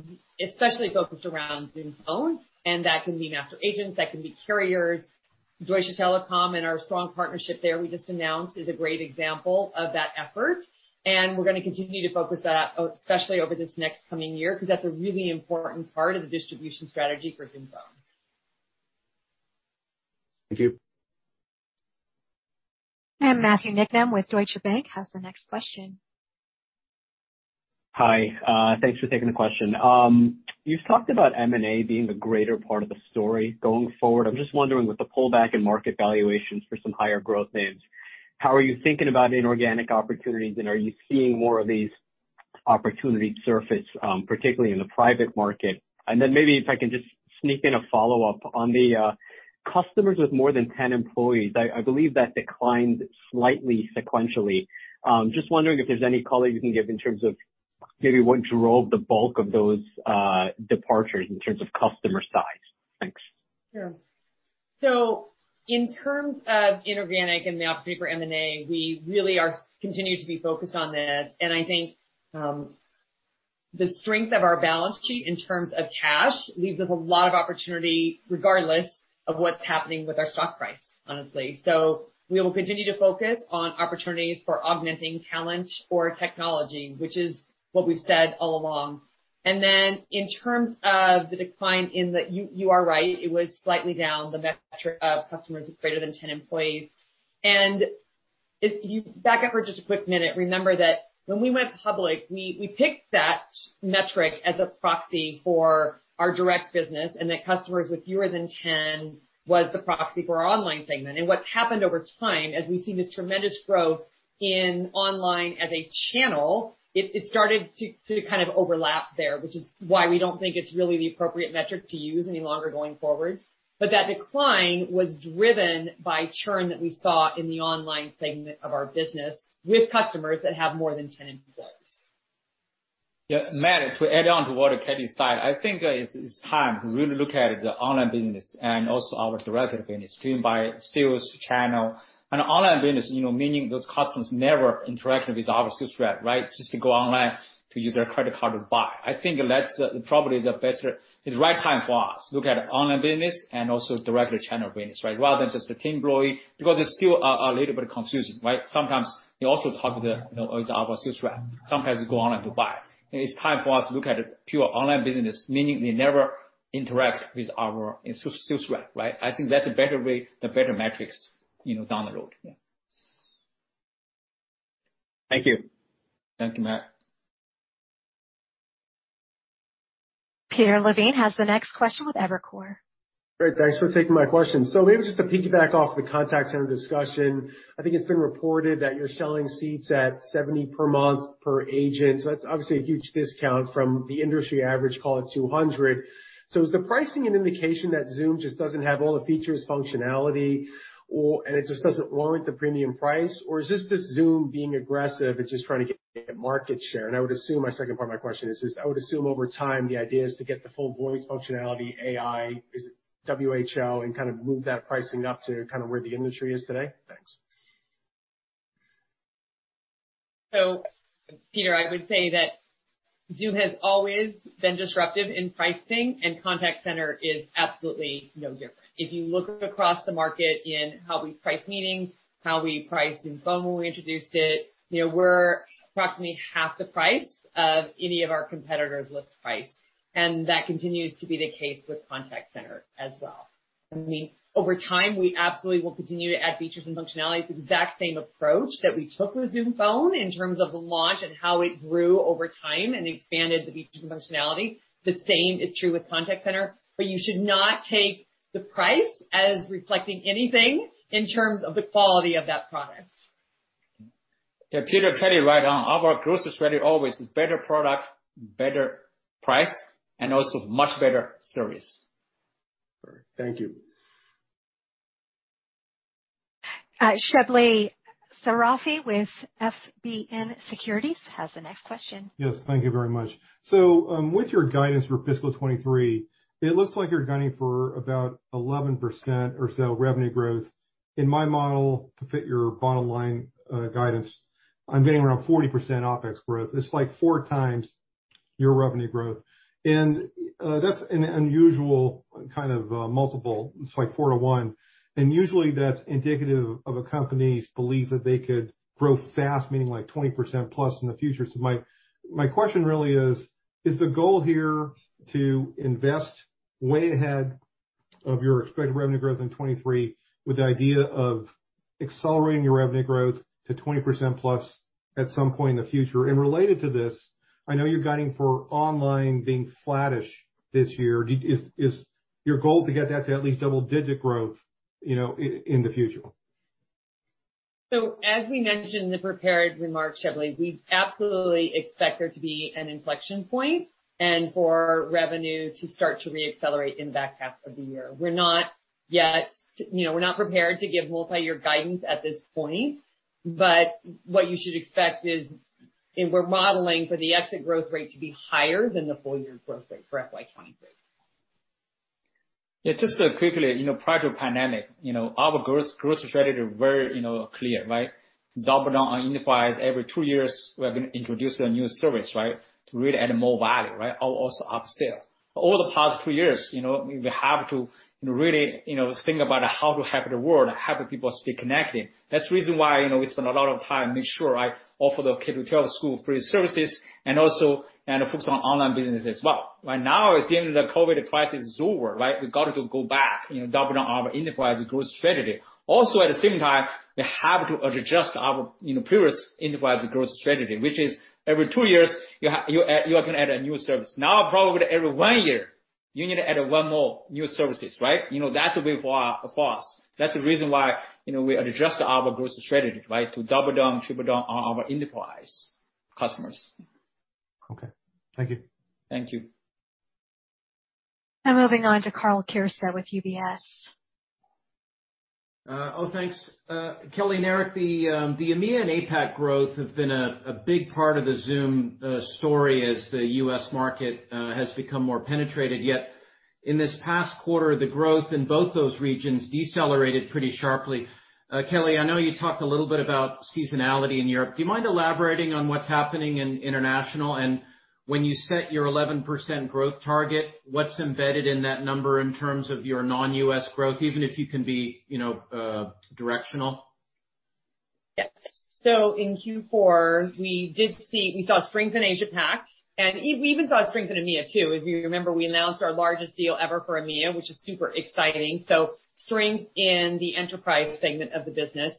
especially focused around Zoom Phone, and that can be master agents, that can be carriers. Deutsche Telekom and our strong partnership there we just announced is a great example of that effort, and we're gonna continue to focus that, especially over this next coming year, because that's a really important part of the distribution strategy for Zoom Phone. Thank you. Matthew Knickman with Deutsche Bank has the next question. Hi. Thanks for taking the question. You've talked about M&A being the greater part of the story going forward. I'm just wondering, with the pullback in market valuations for some higher growth names, how are you thinking about inorganic opportunities, and are you seeing more of these opportunities surface, particularly in the private market? Maybe if I can just sneak in a follow-up. On the customers with more than 10 employees, I believe that declined slightly sequentially. Just wondering if there's any color you can give in terms of maybe what drove the bulk of those departures in terms of customer size. Thanks. Sure. In terms of inorganic and the opportunity for M&A, we really are continuing to be focused on that. I think, the strength of our balance sheet in terms of cash leaves us a lot of opportunity regardless of what's happening with our stock price, honestly. We will continue to focus on opportunities for augmenting talent or technology, which is what we've said all along. In terms of the decline, you are right, it was slightly down, the metric of customers with greater than 10 employees. If you back up for just a quick minute, remember that when we went public, we picked that metric as a proxy for our direct business, and that customers with fewer than 10 was the proxy for our online segment. What's happened over time, as we've seen this tremendous growth in online as a channel, it started to kind of overlap there, which is why we don't think it's really the appropriate metric to use any longer going forward. That decline was driven by churn that we saw in the online segment of our business with customers that have more than 10 employees. Yeah, Matt, to add on to what Kelly said, I think it's time to really look at the online business and also our direct business driven by sales channel. Online business, you know, meaning those customers never interacting with our sales rep, right? Just to go online to use their credit card to buy. I think it's the right time for us to look at online business and also direct channel business, right? Rather than just the team employee, because it's still a little bit confusing, right? Sometimes they also talk to the, you know, our sales rep. Sometimes they go online to buy. It's time for us to look at pure online business, meaning they never interact with our sales rep, right? I think that's a better way, the better metrics, you know, down the road. Yeah. Thank you. Thank you, Matt. Peter Levine has the next question with Evercore. Great. Thanks for taking my question. Maybe just to piggyback off the contact center discussion. I think it's been reported that you're selling seats at $70 per month per agent, so that's obviously a huge discount from the industry average, call it $200. Is the pricing an indication that Zoom just doesn't have all the features, functionality or, and it just doesn't warrant the premium price? Or is this just Zoom being aggressive and just trying to get market share? I would assume my second part of my question is this, I would assume over time the idea is to get the full voice functionality, AI, is it WFO, and kind of move that pricing up to kind of where the industry is today? Thanks. Peter, I would say that Zoom has always been disruptive in pricing and contact center is absolutely no different. If you look across the market in how we price meetings, how we priced Zoom Phone when we introduced it, you know, we're approximately half the price of any of our competitors' list price. That continues to be the case with contact center as well. I mean, over time, we absolutely will continue to add features and functionality. It's the exact same approach that we took with Zoom Phone in terms of the launch and how it grew over time and expanded the features and functionality. The same is true with contact center, but you should not take the price as reflecting anything in terms of the quality of that product. Yeah, Peter, Katie, right on. Our growth strategy always is better product, better price, and also much better service. Thank you. Shebly Seyrafi with FBN Securities has the next question. Yes. Thank you very much. With your guidance for fiscal 2023, it looks like you're gunning for about 11% or so revenue growth. In my model, to fit your bottom line, guidance, I'm getting around 40% OPEX growth. It's like 4x your revenue growth. That's an unusual kind of multiple. It's like 4-to-1, and usually that's indicative of a company's belief that they could grow fast, meaning like 20%+ in the future. My question really is. Is the goal here to invest way ahead of your expected revenue growth in 2023 with the idea of accelerating your revenue growth to 20%+ at some point in the future? Related to this, I know you're guiding for online being flattish this year. Is your goal to get that to at least double digit growth, you know, in the future? As we mentioned in the prepared remarks, Shebly, we absolutely expect there to be an inflection point and for revenue to start to re-accelerate in the back half of the year. We're not yet, you know, we're not prepared to give multi-year guidance at this point, but what you should expect is we're modeling for the exit growth rate to be higher than the full year growth rate for FY 2023. Yeah, just quickly, you know, prior to pandemic, you know, our growth strategy very clear, right? Double down on enterprise. Every two years we are gonna introduce a new service, right? To really add more value, right? Also upsell. Over the past two years, you know, we have to really, you know, think about how to help the world, helping people stay connected. That's the reason why, you know, we spend a lot of time making sure I offer the K-12 schools free services and focus on online business as well. Right now, it seems the COVID crisis is over, right? We got to go back, you know, double down our enterprise growth strategy. Also, at the same time, we have to adjust our previous enterprise growth strategy, which is every two years you are gonna add a new service. Now, probably every one year you need to add one more new services, right? You know, that's a big one for us. That's the reason why, you know, we adjust our growth strategy, right? To double down, triple down on our enterprise customers. Okay. Thank you. Thank you. Moving on to Karl Keirstead with UBS. Thanks. Kelly and Eric, the EMEA and APAC growth have been a big part of the Zoom story as the U.S. market has become more penetrated. Yet in this past quarter, the growth in both those regions decelerated pretty sharply. Kelly, I know you talked a little bit about seasonality in Europe. Do you mind elaborating on what's happening in international? When you set your 11% growth target, what's embedded in that number in terms of your non-U.S. growth, even if you can be, you know, directional? Yeah. In Q4 we saw strength in Asia Pac, and we even saw strength in EMEA too. If you remember, we announced our largest deal ever for EMEA, which is super exciting. Strength in the enterprise segment of the business.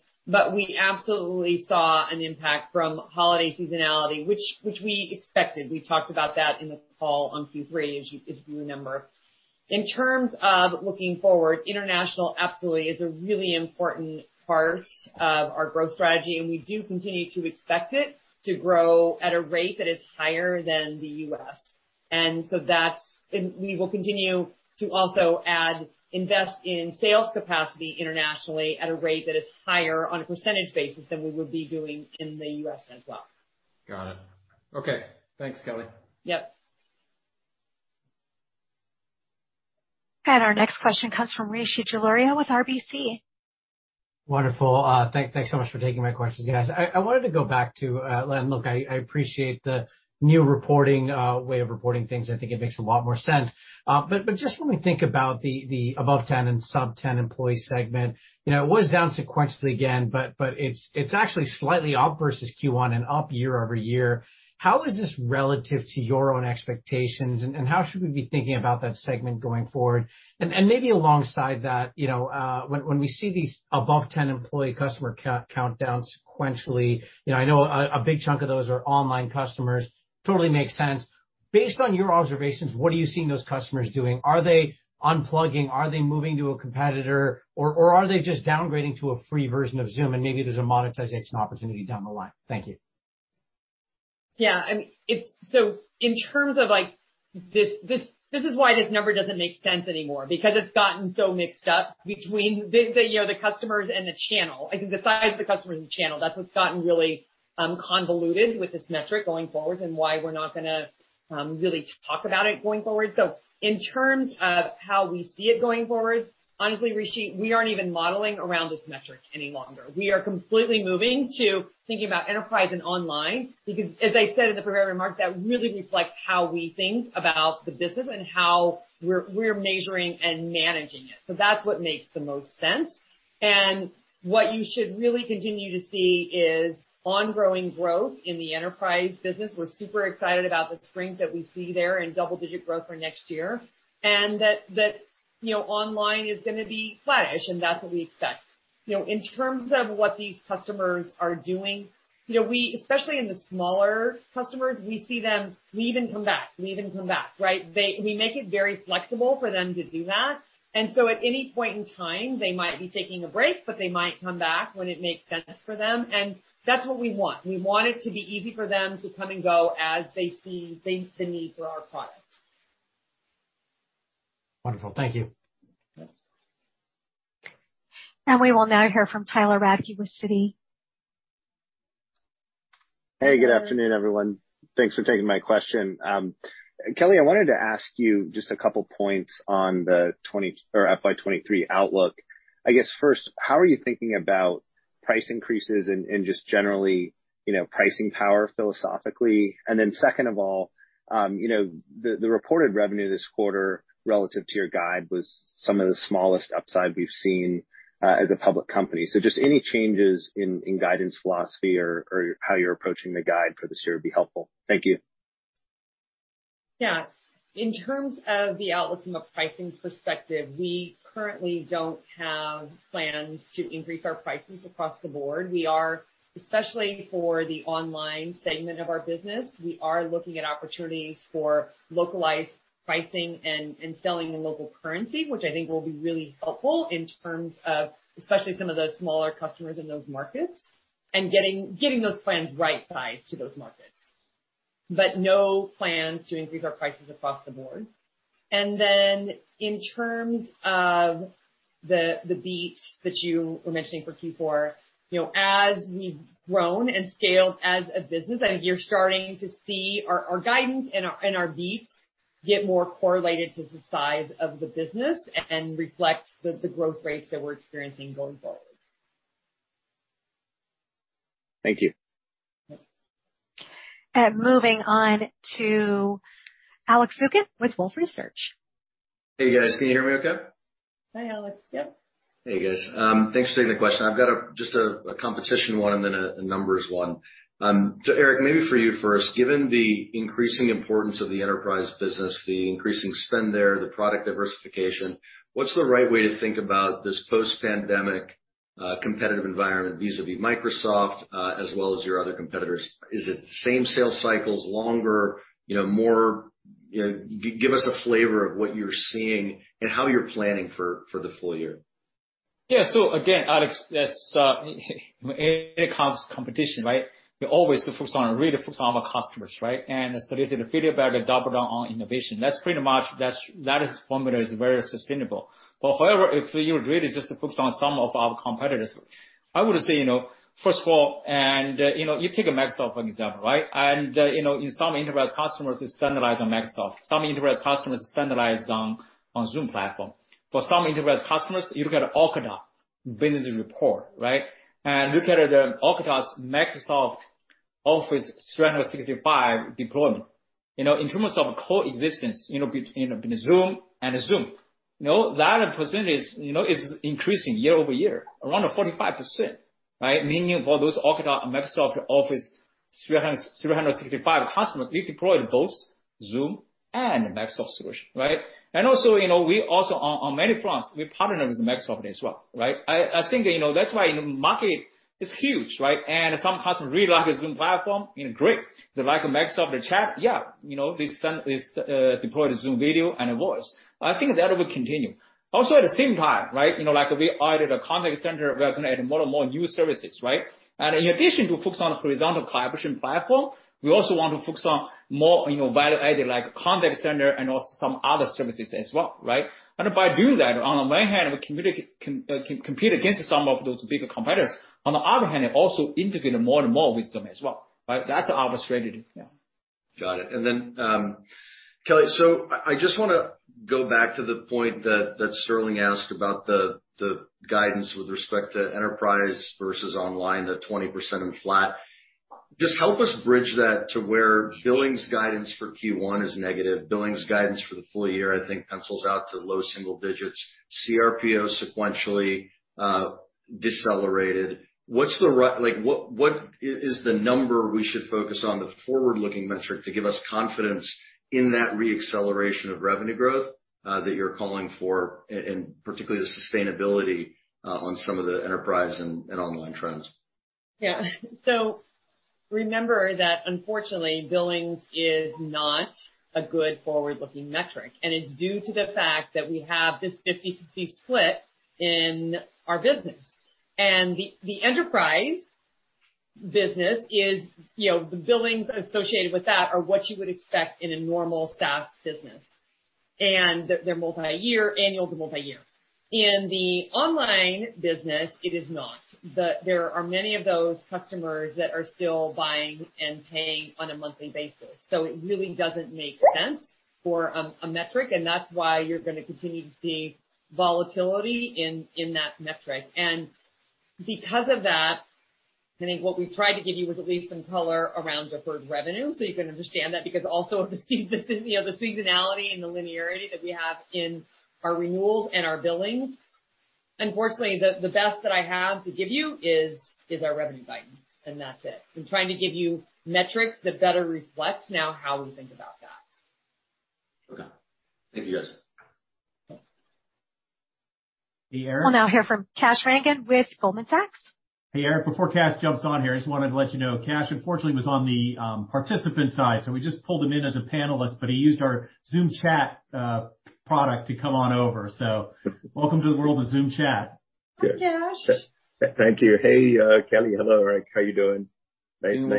We absolutely saw an impact from holiday seasonality, which we expected. We talked about that in the call on Q3, as you remember. In terms of looking forward, international absolutely is a really important part of our growth strategy, and we do continue to expect it to grow at a rate that is higher than the U.S. We will continue to also add, invest in sales capacity internationally at a rate that is higher on a percentage basis than we would be doing in the U.S. as well. Got it. Okay. Thanks, Kelly. Yep. Our next question comes from Rishi Jaluria with RBC. Wonderful. Thanks so much for taking my questions, guys. I wanted to go back to, and look, I appreciate the new reporting way of reporting things. I think it makes a lot more sense. Just when we think about the above 10 and sub-10 employee segment, you know, it was down sequentially again, but it's actually slightly up versus Q1 and up year-over-year. How is this relative to your own expectations, and how should we be thinking about that segment going forward? Maybe alongside that, you know, when we see these above 10 employee customer count down sequentially, you know, I know a big chunk of those are online customers. Totally makes sense. Based on your observations, what are you seeing those customers doing? Are they unplugging? Are they moving to a competitor, or are they just downgrading to a free version of Zoom and maybe there's a monetization opportunity down the line? Thank you. Yeah, I mean, it's so in terms of like this is why this number doesn't make sense anymore, because it's gotten so mixed up between the you know the customers and the channel. Like, the size of the customers and the channel. That's what's gotten really convoluted with this metric going forward and why we're not gonna really talk about it going forward. In terms of how we see it going forward, honestly, Rishi, we aren't even modeling around this metric any longer. We are completely moving to thinking about Enterprise and Online because as I said in the prepared remarks, that really reflects how we think about the business and how we're measuring and managing it. That's what makes the most sense. What you should really continue to see is ongoing growth in the Enterprise business. We're super excited about the strength that we see there and double-digit growth for next year, and that you know, online is gonna be flattish, and that's what we expect. You know, in terms of what these customers are doing, you know, especially in the smaller customers, we see them leave and come back, right? We make it very flexible for them to do that. At any point in time, they might be taking a break, but they might come back when it makes sense for them, and that's what we want. We want it to be easy for them to come and go as they see the need for our products. Wonderful. Thank you. We will now hear from Tyler Radke with Citi. Hey, good afternoon, everyone. Thanks for taking my question. Kelly, I wanted to ask you just a couple points on the FY 2023 outlook. I guess first, how are you thinking about price increases and just generally, you know, pricing power philosophically? Then second of all, you know, the reported revenue this quarter relative to your guide was some of the smallest upside we've seen as a public company. Just any changes in guidance philosophy or how you're approaching the guide for this year would be helpful. Thank you. Yeah. In terms of the outlook from a pricing perspective, we currently don't have plans to increase our prices across the board. We are, especially for the online segment of our business, looking at opportunities for localized pricing and selling in local currency, which I think will be really helpful in terms of especially some of the smaller customers in those markets and getting those plans right-sized to those markets. But no plans to increase our prices across the board. Then in terms of the beat that you were mentioning for Q4, you know, as we've grown and scaled as a business, I think you're starting to see our guidance and our beats get more correlated to the size of the business and reflect the growth rates that we're experiencing going forward. Thank you. Moving on to Alex Zukin with Wolfe Research. Hey, guys. Can you hear me okay? Hi, Alex. Yep. Hey, guys. Thanks for taking the question. I've got a competition one and then a numbers one. Eric, maybe for you first, given the increasing importance of the enterprise business, the increasing spend there, the product diversification, what's the right way to think about this post-pandemic competitive environment vis-à-vis Microsoft, as well as your other competitors? Is it same sales cycles, longer, you know, more. You know, give us a flavor of what you're seeing and how you're planning for the full year. Yeah. Again, Alex, yes, when it comes to competition, right, we always focus on, really focus on our customers, right? Listen to feedback and double down on innovation. That's pretty much. That formula is very sustainable. However, if you really just focus on some of our competitors, I would say, you know, first of all, you know, you take Microsoft, for example, right? You know, in some enterprise customers, it's standardized on Microsoft. Some enterprise customers standardized on Zoom platform. For some enterprise customers, you look at Okta business report, right? Look at Okta's Microsoft 365 deployment. You know, in terms of coexistence, you know, between Zoom and Teams. You know, that percentage, you know, is increasing year-over-year, around 45%, right? Meaning for those Okta and Microsoft 365 customers, we deployed both Zoom and Microsoft solution, right? Also, you know, we also on many fronts, we partner with Microsoft as well, right? I think, you know, that's why market is huge, right? Some customers really like the Zoom platform, you know, great. They like Microsoft, the chat, yeah, you know, they since this deploy the Zoom video and it works. I think that will continue. Also, at the same time, right, you know, like we added a contact center, we're gonna add more and more new services, right? In addition to focus on horizontal collaboration platform, we also want to focus on more, you know, value added like contact center and also some other services as well, right? By doing that, on the one hand, we can compete against some of those bigger competitors. On the other hand, it also integrate more and more with them as well, right? That's our strategy. Yeah. Got it. Kelly, I just wanna go back to the point that Sterling asked about the guidance with respect to enterprise versus online, the 20% and flat. Just help us bridge that to where billings guidance for Q1 is negative. Billings guidance for the full year, I think, pencils out to low single digits. CRPO sequentially decelerated. What's the, like, what is the number we should focus on the forward-looking metric to give us confidence in that re-acceleration of revenue growth that you're calling for in particularly the sustainability on some of the enterprise and online trends? Yeah. Remember that unfortunately, billings is not a good forward-looking metric, and it's due to the fact that we have this 50/50 split in our business. The enterprise business is, you know, the billings associated with that are what you would expect in a normal SaaS business. They're multi-year, annual to multi-year. In the online business, it is not. There are many of those customers that are still buying and paying on a monthly basis, so it really doesn't make sense for a metric, and that's why you're gonna continue to see volatility in that metric. Because of that, I think what we've tried to give you was at least some color around deferred revenue, so you can understand that, because also of you know, the seasonality and the linearity that we have in our renewals and our billings. Unfortunately, the best that I have to give you is our revenue guidance, and that's it. I'm trying to give you metrics that better reflects now how we think about that. Okay. Thank you, guys. Hey, Eric. We'll now hear from Kash Rangan with Goldman Sachs. Hey, Eric, before Kash jumps on here, I just wanted to let you know Kash unfortunately was on the participant side, so we just pulled him in as a panelist, but he used our Zoom Chat product to come on over. Welcome to the world of Zoom Chat. Hi, Kash. Thank you. Hey, Kelly. Hello, Eric. How are you doing? Nice Zoom-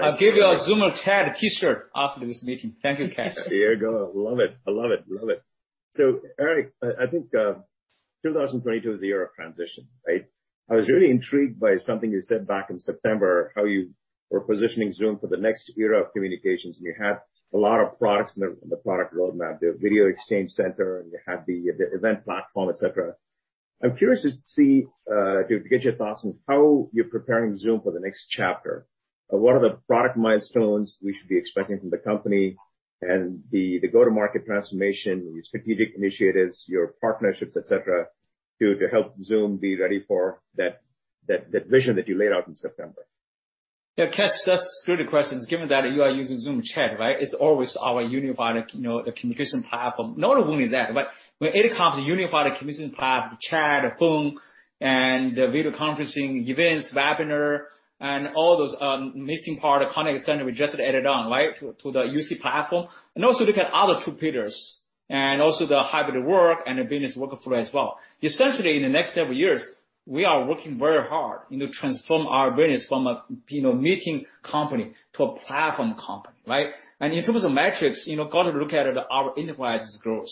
I'll give you a Zoom chat T-shirt after this meeting. Thank you, Kash. There you go. Love it. I love it. Eric, I think 2022 is the year of transition, right? I was really intrigued by something you said back in September, how you were positioning Zoom for the next era of communications, and you had a lot of products in the product roadmap, the video exchange center, and you had the event platform, et cetera. I'm curious to see to get your thoughts on how you're preparing Zoom for the next chapter. What are the product milestones we should be expecting from the company and the go-to-market transformation, your strategic initiatives, your partnerships, et cetera, to help Zoom be ready for that vision that you laid out in September. Yeah, Kash, that's a good question, given that you are using Zoom chat, right? It's always our unified, you know, communication platform. Not only that, but when it comes to unified communication platform, chat, phone, and video conferencing, events, webinar, and all those, missing part contact center we just added on, right, to the UC platform. Also look at other two pillars, and also the hybrid work and the business workflow as well. Essentially, in the next several years, we are working very hard, you know, to transform our business from a, you know, meeting company to a platform company, right? In terms of metrics, you know, got to look at our enterprise growth.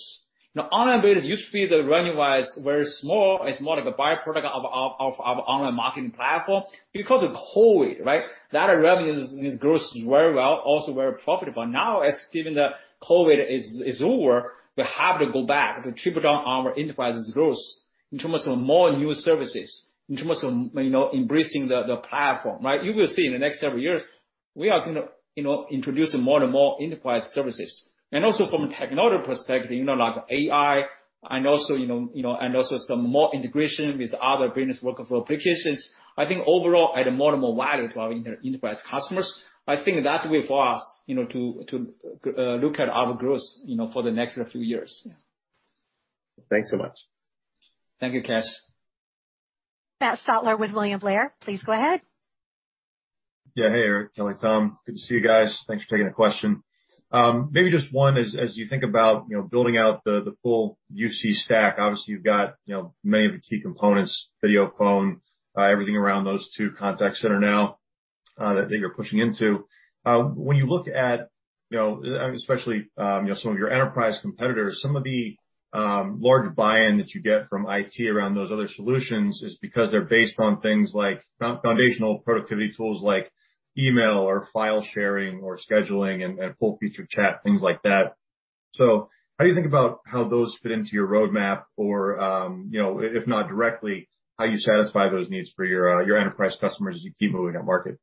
Now, online business used to be the revenue was very small. It's more like a byproduct of our online marketing platform. Because of COVID, right, that revenue is growing very well, also very profitable. Now, as given that COVID is over, we have to go back to triple down our enterprise's growth in terms of more new services, in terms of, you know, embracing the platform, right? You will see in the next several years, we are gonna, you know, introducing more and more enterprise services. And also from a technology perspective, you know, like AI and also, you know, and also some more integration with other business workflow applications. I think overall, add more and more value to our enterprise customers. I think that's the way for us, you know, to look at our growth, you know, for the next few years. Thanks so much. Thank you, Kash. Matt Stotler with William Blair, please go ahead. Yeah. Hey, Eric, Kelly and Tom. Good to see you guys. Thanks for taking the question. Maybe just one, as you think about, you know, building out the full UC stack, obviously you've got, you know, many of the key components, video, phone, everything around those two contact center now that you're pushing into. When you look at, you know, especially, you know, some of your enterprise competitors, some of the large buy-in that you get from IT around those other solutions is because they're based on things like foundational productivity tools like email or file sharing or scheduling and full feature chat, things like that. How do you think about how those fit into your roadmap? Or, you know, if not directly, how you satisfy those needs for your enterprise customers as you keep moving upmarket?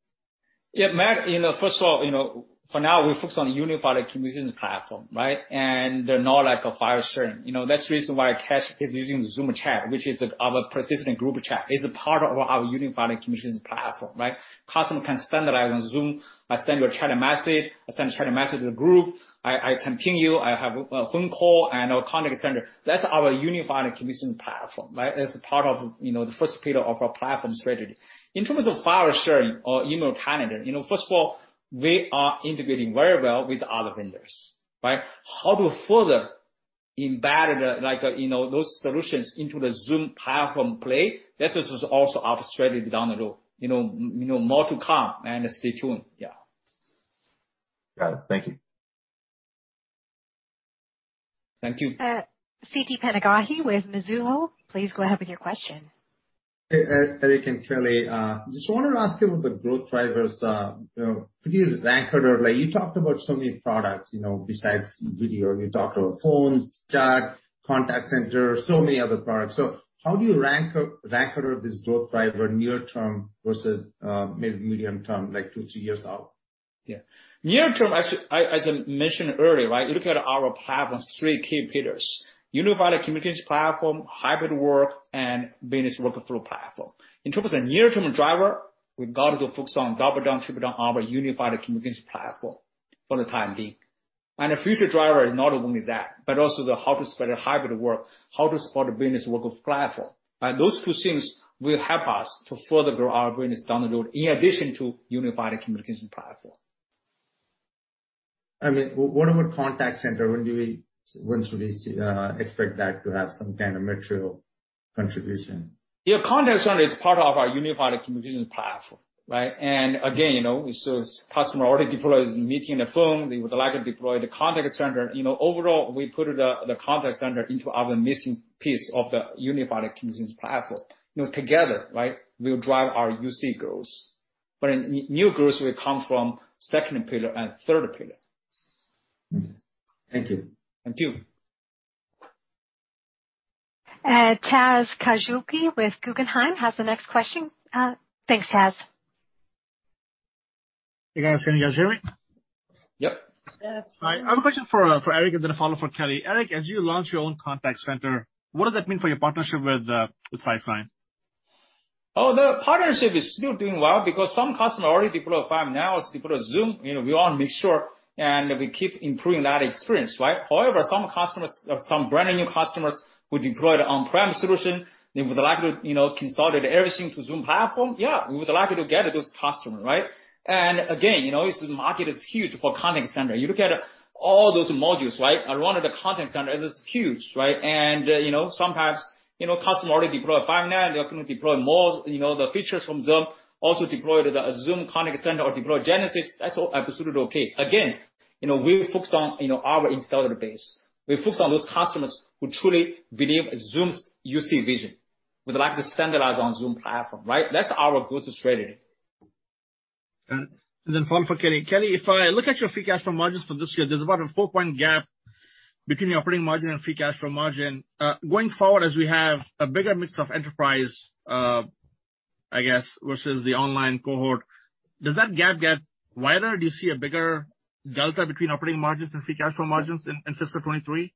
Yeah, Matt, you know, first of all, you know, for now we focus on unified communications platform, right? They're not like a file sharing. You know, that's the reason why Kash is using Zoom chat, which is our persistent group chat, is a part of our unified communications platform, right? Customer can standardize on Zoom. I send you a chat message. I send a chat message to the group. I continue. I have a phone call and a contact center. That's our unified communications platform, right? That's part of, you know, the first pillar of our platform strategy. In terms of file sharing or email calendar, you know, first of all, we are integrating very well with other vendors, right? How to further embed the, like, you know, those solutions into the Zoom platform play, this is also our strategy down the road. You know, more to come and stay tuned. Yeah. Got it. Thank you. Thank you. Siti Panigrahi with Mizuho, please go ahead with your question. Hey, Eric and Kelly. Just wanted to ask you about the growth drivers. You know, could you rank order, like you talked about so many products, you know, besides video. You talked about phones, chat, contact center, so many other products. So how do you rank order this growth driver near term versus, maybe medium term, like two, three years out? Yeah. Near term, as I mentioned earlier, right, you look at our platform's three key pillars, unified communications platform, hybrid work, and business workflow platform. In terms of near-term driver, we've got to focus on double down, triple down our unified communications platform for the time being. The future driver is not only that, but also the how to spread a hybrid work, how to support the business workflow platform, right? Those two things will help us to further grow our business down the road, in addition to unified communication platform. I mean, what about contact center? When should we expect that to have some kind of material contribution? Yeah. Contact Center is part of our unified communication platform, right? Again, you know, if those customer already deploys meeting and phone, they would like to deploy the Contact Center. You know, overall, we put the Contact Center into our missing piece of the unified communications platform. You know, together, right? We'll drive our UC growth. New growth will come from second pillar and third pillar. Thank you. Thank you. Taz Koujalgi with Guggenheim has the next question. Thanks, Taz. Hey, guys. Can you guys hear me? Yep. Yes. All right. I have a question for Eric and then a follow for Kelly. Eric, as you launch your own contact center, what does that mean for your partnership with Five9? Oh, the partnership is still doing well because some customer already deployed Five9, now has deployed Zoom. You know, we wanna make sure, and we keep improving that experience, right? However, some customers, some brand new customers who deployed on-premise solution, they would like to, you know, consolidate everything to Zoom platform. Yeah, we would like to get those customers, right? Again, you know, this market is huge for contact center. You look at all those modules, right? Around the contact center, it is huge, right? You know, sometimes, you know, customer already deploy Five9, they're gonna deploy more, you know, the features from Zoom, also deploy to the Zoom Contact Center or deploy Genesys. That's all absolutely okay. Again, you know, we focus on, you know, our installed base. We focus on those customers who truly believe Zoom's UC vision, would like to standardize on Zoom platform, right? That's our go-to strategy. One for Kelly. Kelly, if I look at your free cash flow margins for this year, there's about a four-point gap between your operating margin and free cash flow margin. Going forward, as we have a bigger mix of enterprise, I guess, versus the online cohort, does that gap get wider? Do you see a bigger delta between operating margins and free cash flow margins in fiscal 2023?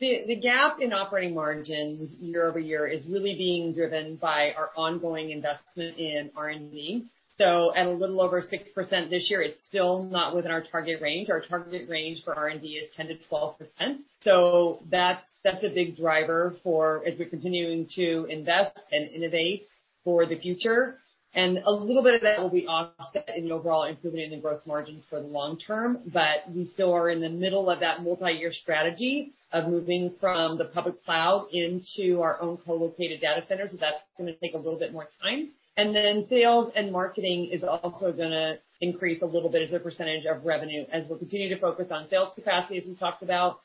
The gap in operating margins year-over-year is really being driven by our ongoing investment in R&D. At a little over 6% this year, it's still not within our target range. Our target range for R&D is 10%-12%. That's a big driver for, as we're continuing to invest and innovate for the future. A little bit of that will be offset in overall improvement in gross margins for the long term, but we still are in the middle of that multi-year strategy of moving from the public cloud into our own co-located data centers. That's gonna take a little bit more time. Then sales and marketing is also gonna increase a little bit as a percentage of revenue as we continue to focus on sales capacity, as we talked about.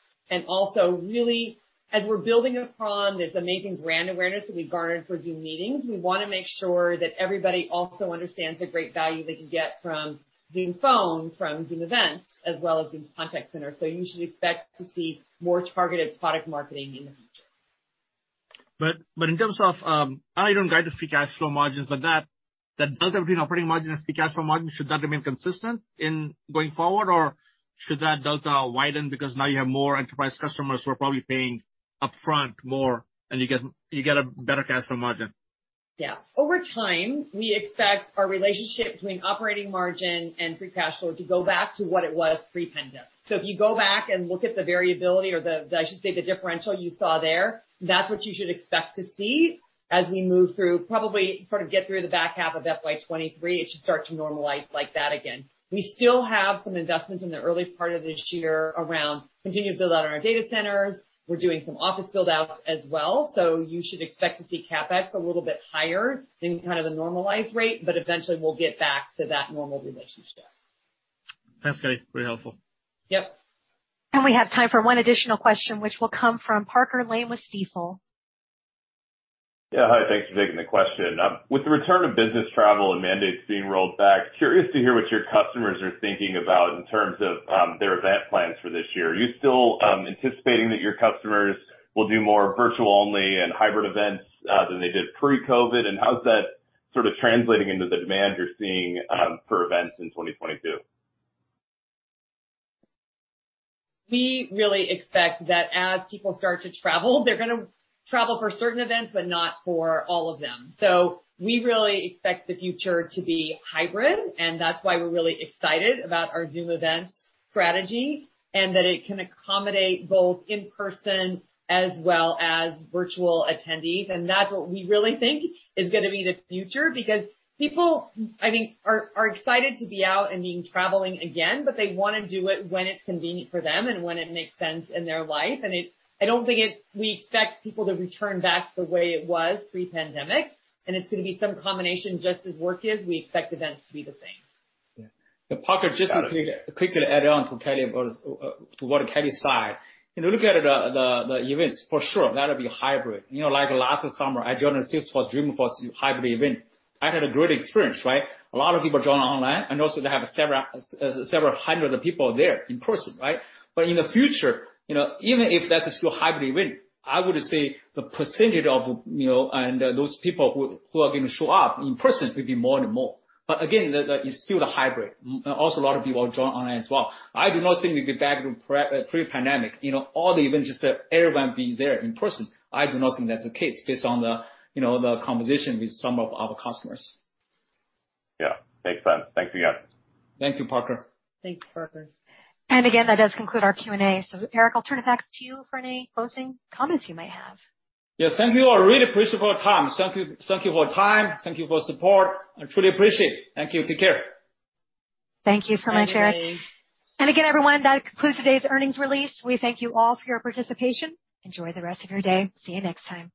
Also really, as we're building upon this amazing brand awareness that we garnered for Zoom Meetings, we wanna make sure that everybody also understands the great value they can get from Zoom Phone, from Zoom Events, as well as Zoom Contact Center. You should expect to see more targeted product marketing in the future. In terms of, I know you don't guide the free cash flow margins, but that delta between operating margin and free cash flow margin, should that remain consistent in going forward? Or should that delta widen because now you have more enterprise customers who are probably paying upfront more and you get a better cash flow margin? Yeah. Over time, we expect our relationship between operating margin and free cash flow to go back to what it was pre-pandemic. If you go back and look at the variability or the, I should say, the differential you saw there, that's what you should expect to see as we move through, probably sort of get through the back half of FY 2023, it should start to normalize like that again. We still have some investments in the early part of this year around continue to build out on our data centers. We're doing some office build-outs as well. You should expect to see CapEx a little bit higher than kind of the normalized rate, but eventually we'll get back to that normal relationship. Thanks, Kelly. Very helpful. Yep. We have time for one additional question, which will come from Parker Lane with Stifel. Yeah, hi. Thanks for taking the question. With the return of business travel and mandates being rolled back, curious to hear what your customers are thinking about in terms of their event plans for this year. Are you still anticipating that your customers will do more virtual only and hybrid events than they did pre-COVID? How's that sort of translating into the demand you're seeing for events in 2022? We really expect that as people start to travel, they're gonna travel for certain events, but not for all of them. We really expect the future to be hybrid, and that's why we're really excited about our Zoom Events strategy, and that it can accommodate both in-person as well as virtual attendees. That's what we really think is gonna be the future because people, I think are excited to be out and being traveling again, but they wanna do it when it's convenient for them and when it makes sense in their life. I don't think it's we expect people to return back to the way it was pre-pandemic, and it's gonna be some combination just as work is, we expect events to be the same. Yeah. Parker, just to quickly add on to Kelly about to what Kelly said. You know, look at the events, for sure, that'll be hybrid. You know, like last summer, I joined Salesforce Dreamforce hybrid event. I had a great experience, right? A lot of people joined online, and also they have several hundred of people there in person, right? But in the future, you know, even if that's a still hybrid event, I would say the percentage of, you know, and those people who are gonna show up in person will be more and more. But again, it's still the hybrid. Also, a lot of people join online as well. I do not think we'll be back to pre-pandemic, you know, all the events, just everyone being there in person. I do not think that's the case based on the, you know, the conversation with some of our customers. Yeah. Makes sense. Thank you, guys. Thank you, Parker. Thank you, Parker. Again, that does conclude our Q&A. Eric, I'll turn it back to you for any closing comments you may have. Yes, thank you all. I really appreciate your time. Thank you for your time. Thank you for your support. I truly appreciate. Thank you. Take care. Thank you so much, Eric. Thank you. Again, everyone, that concludes today's earnings release. We thank you all for your participation. Enjoy the rest of your day. See you next time.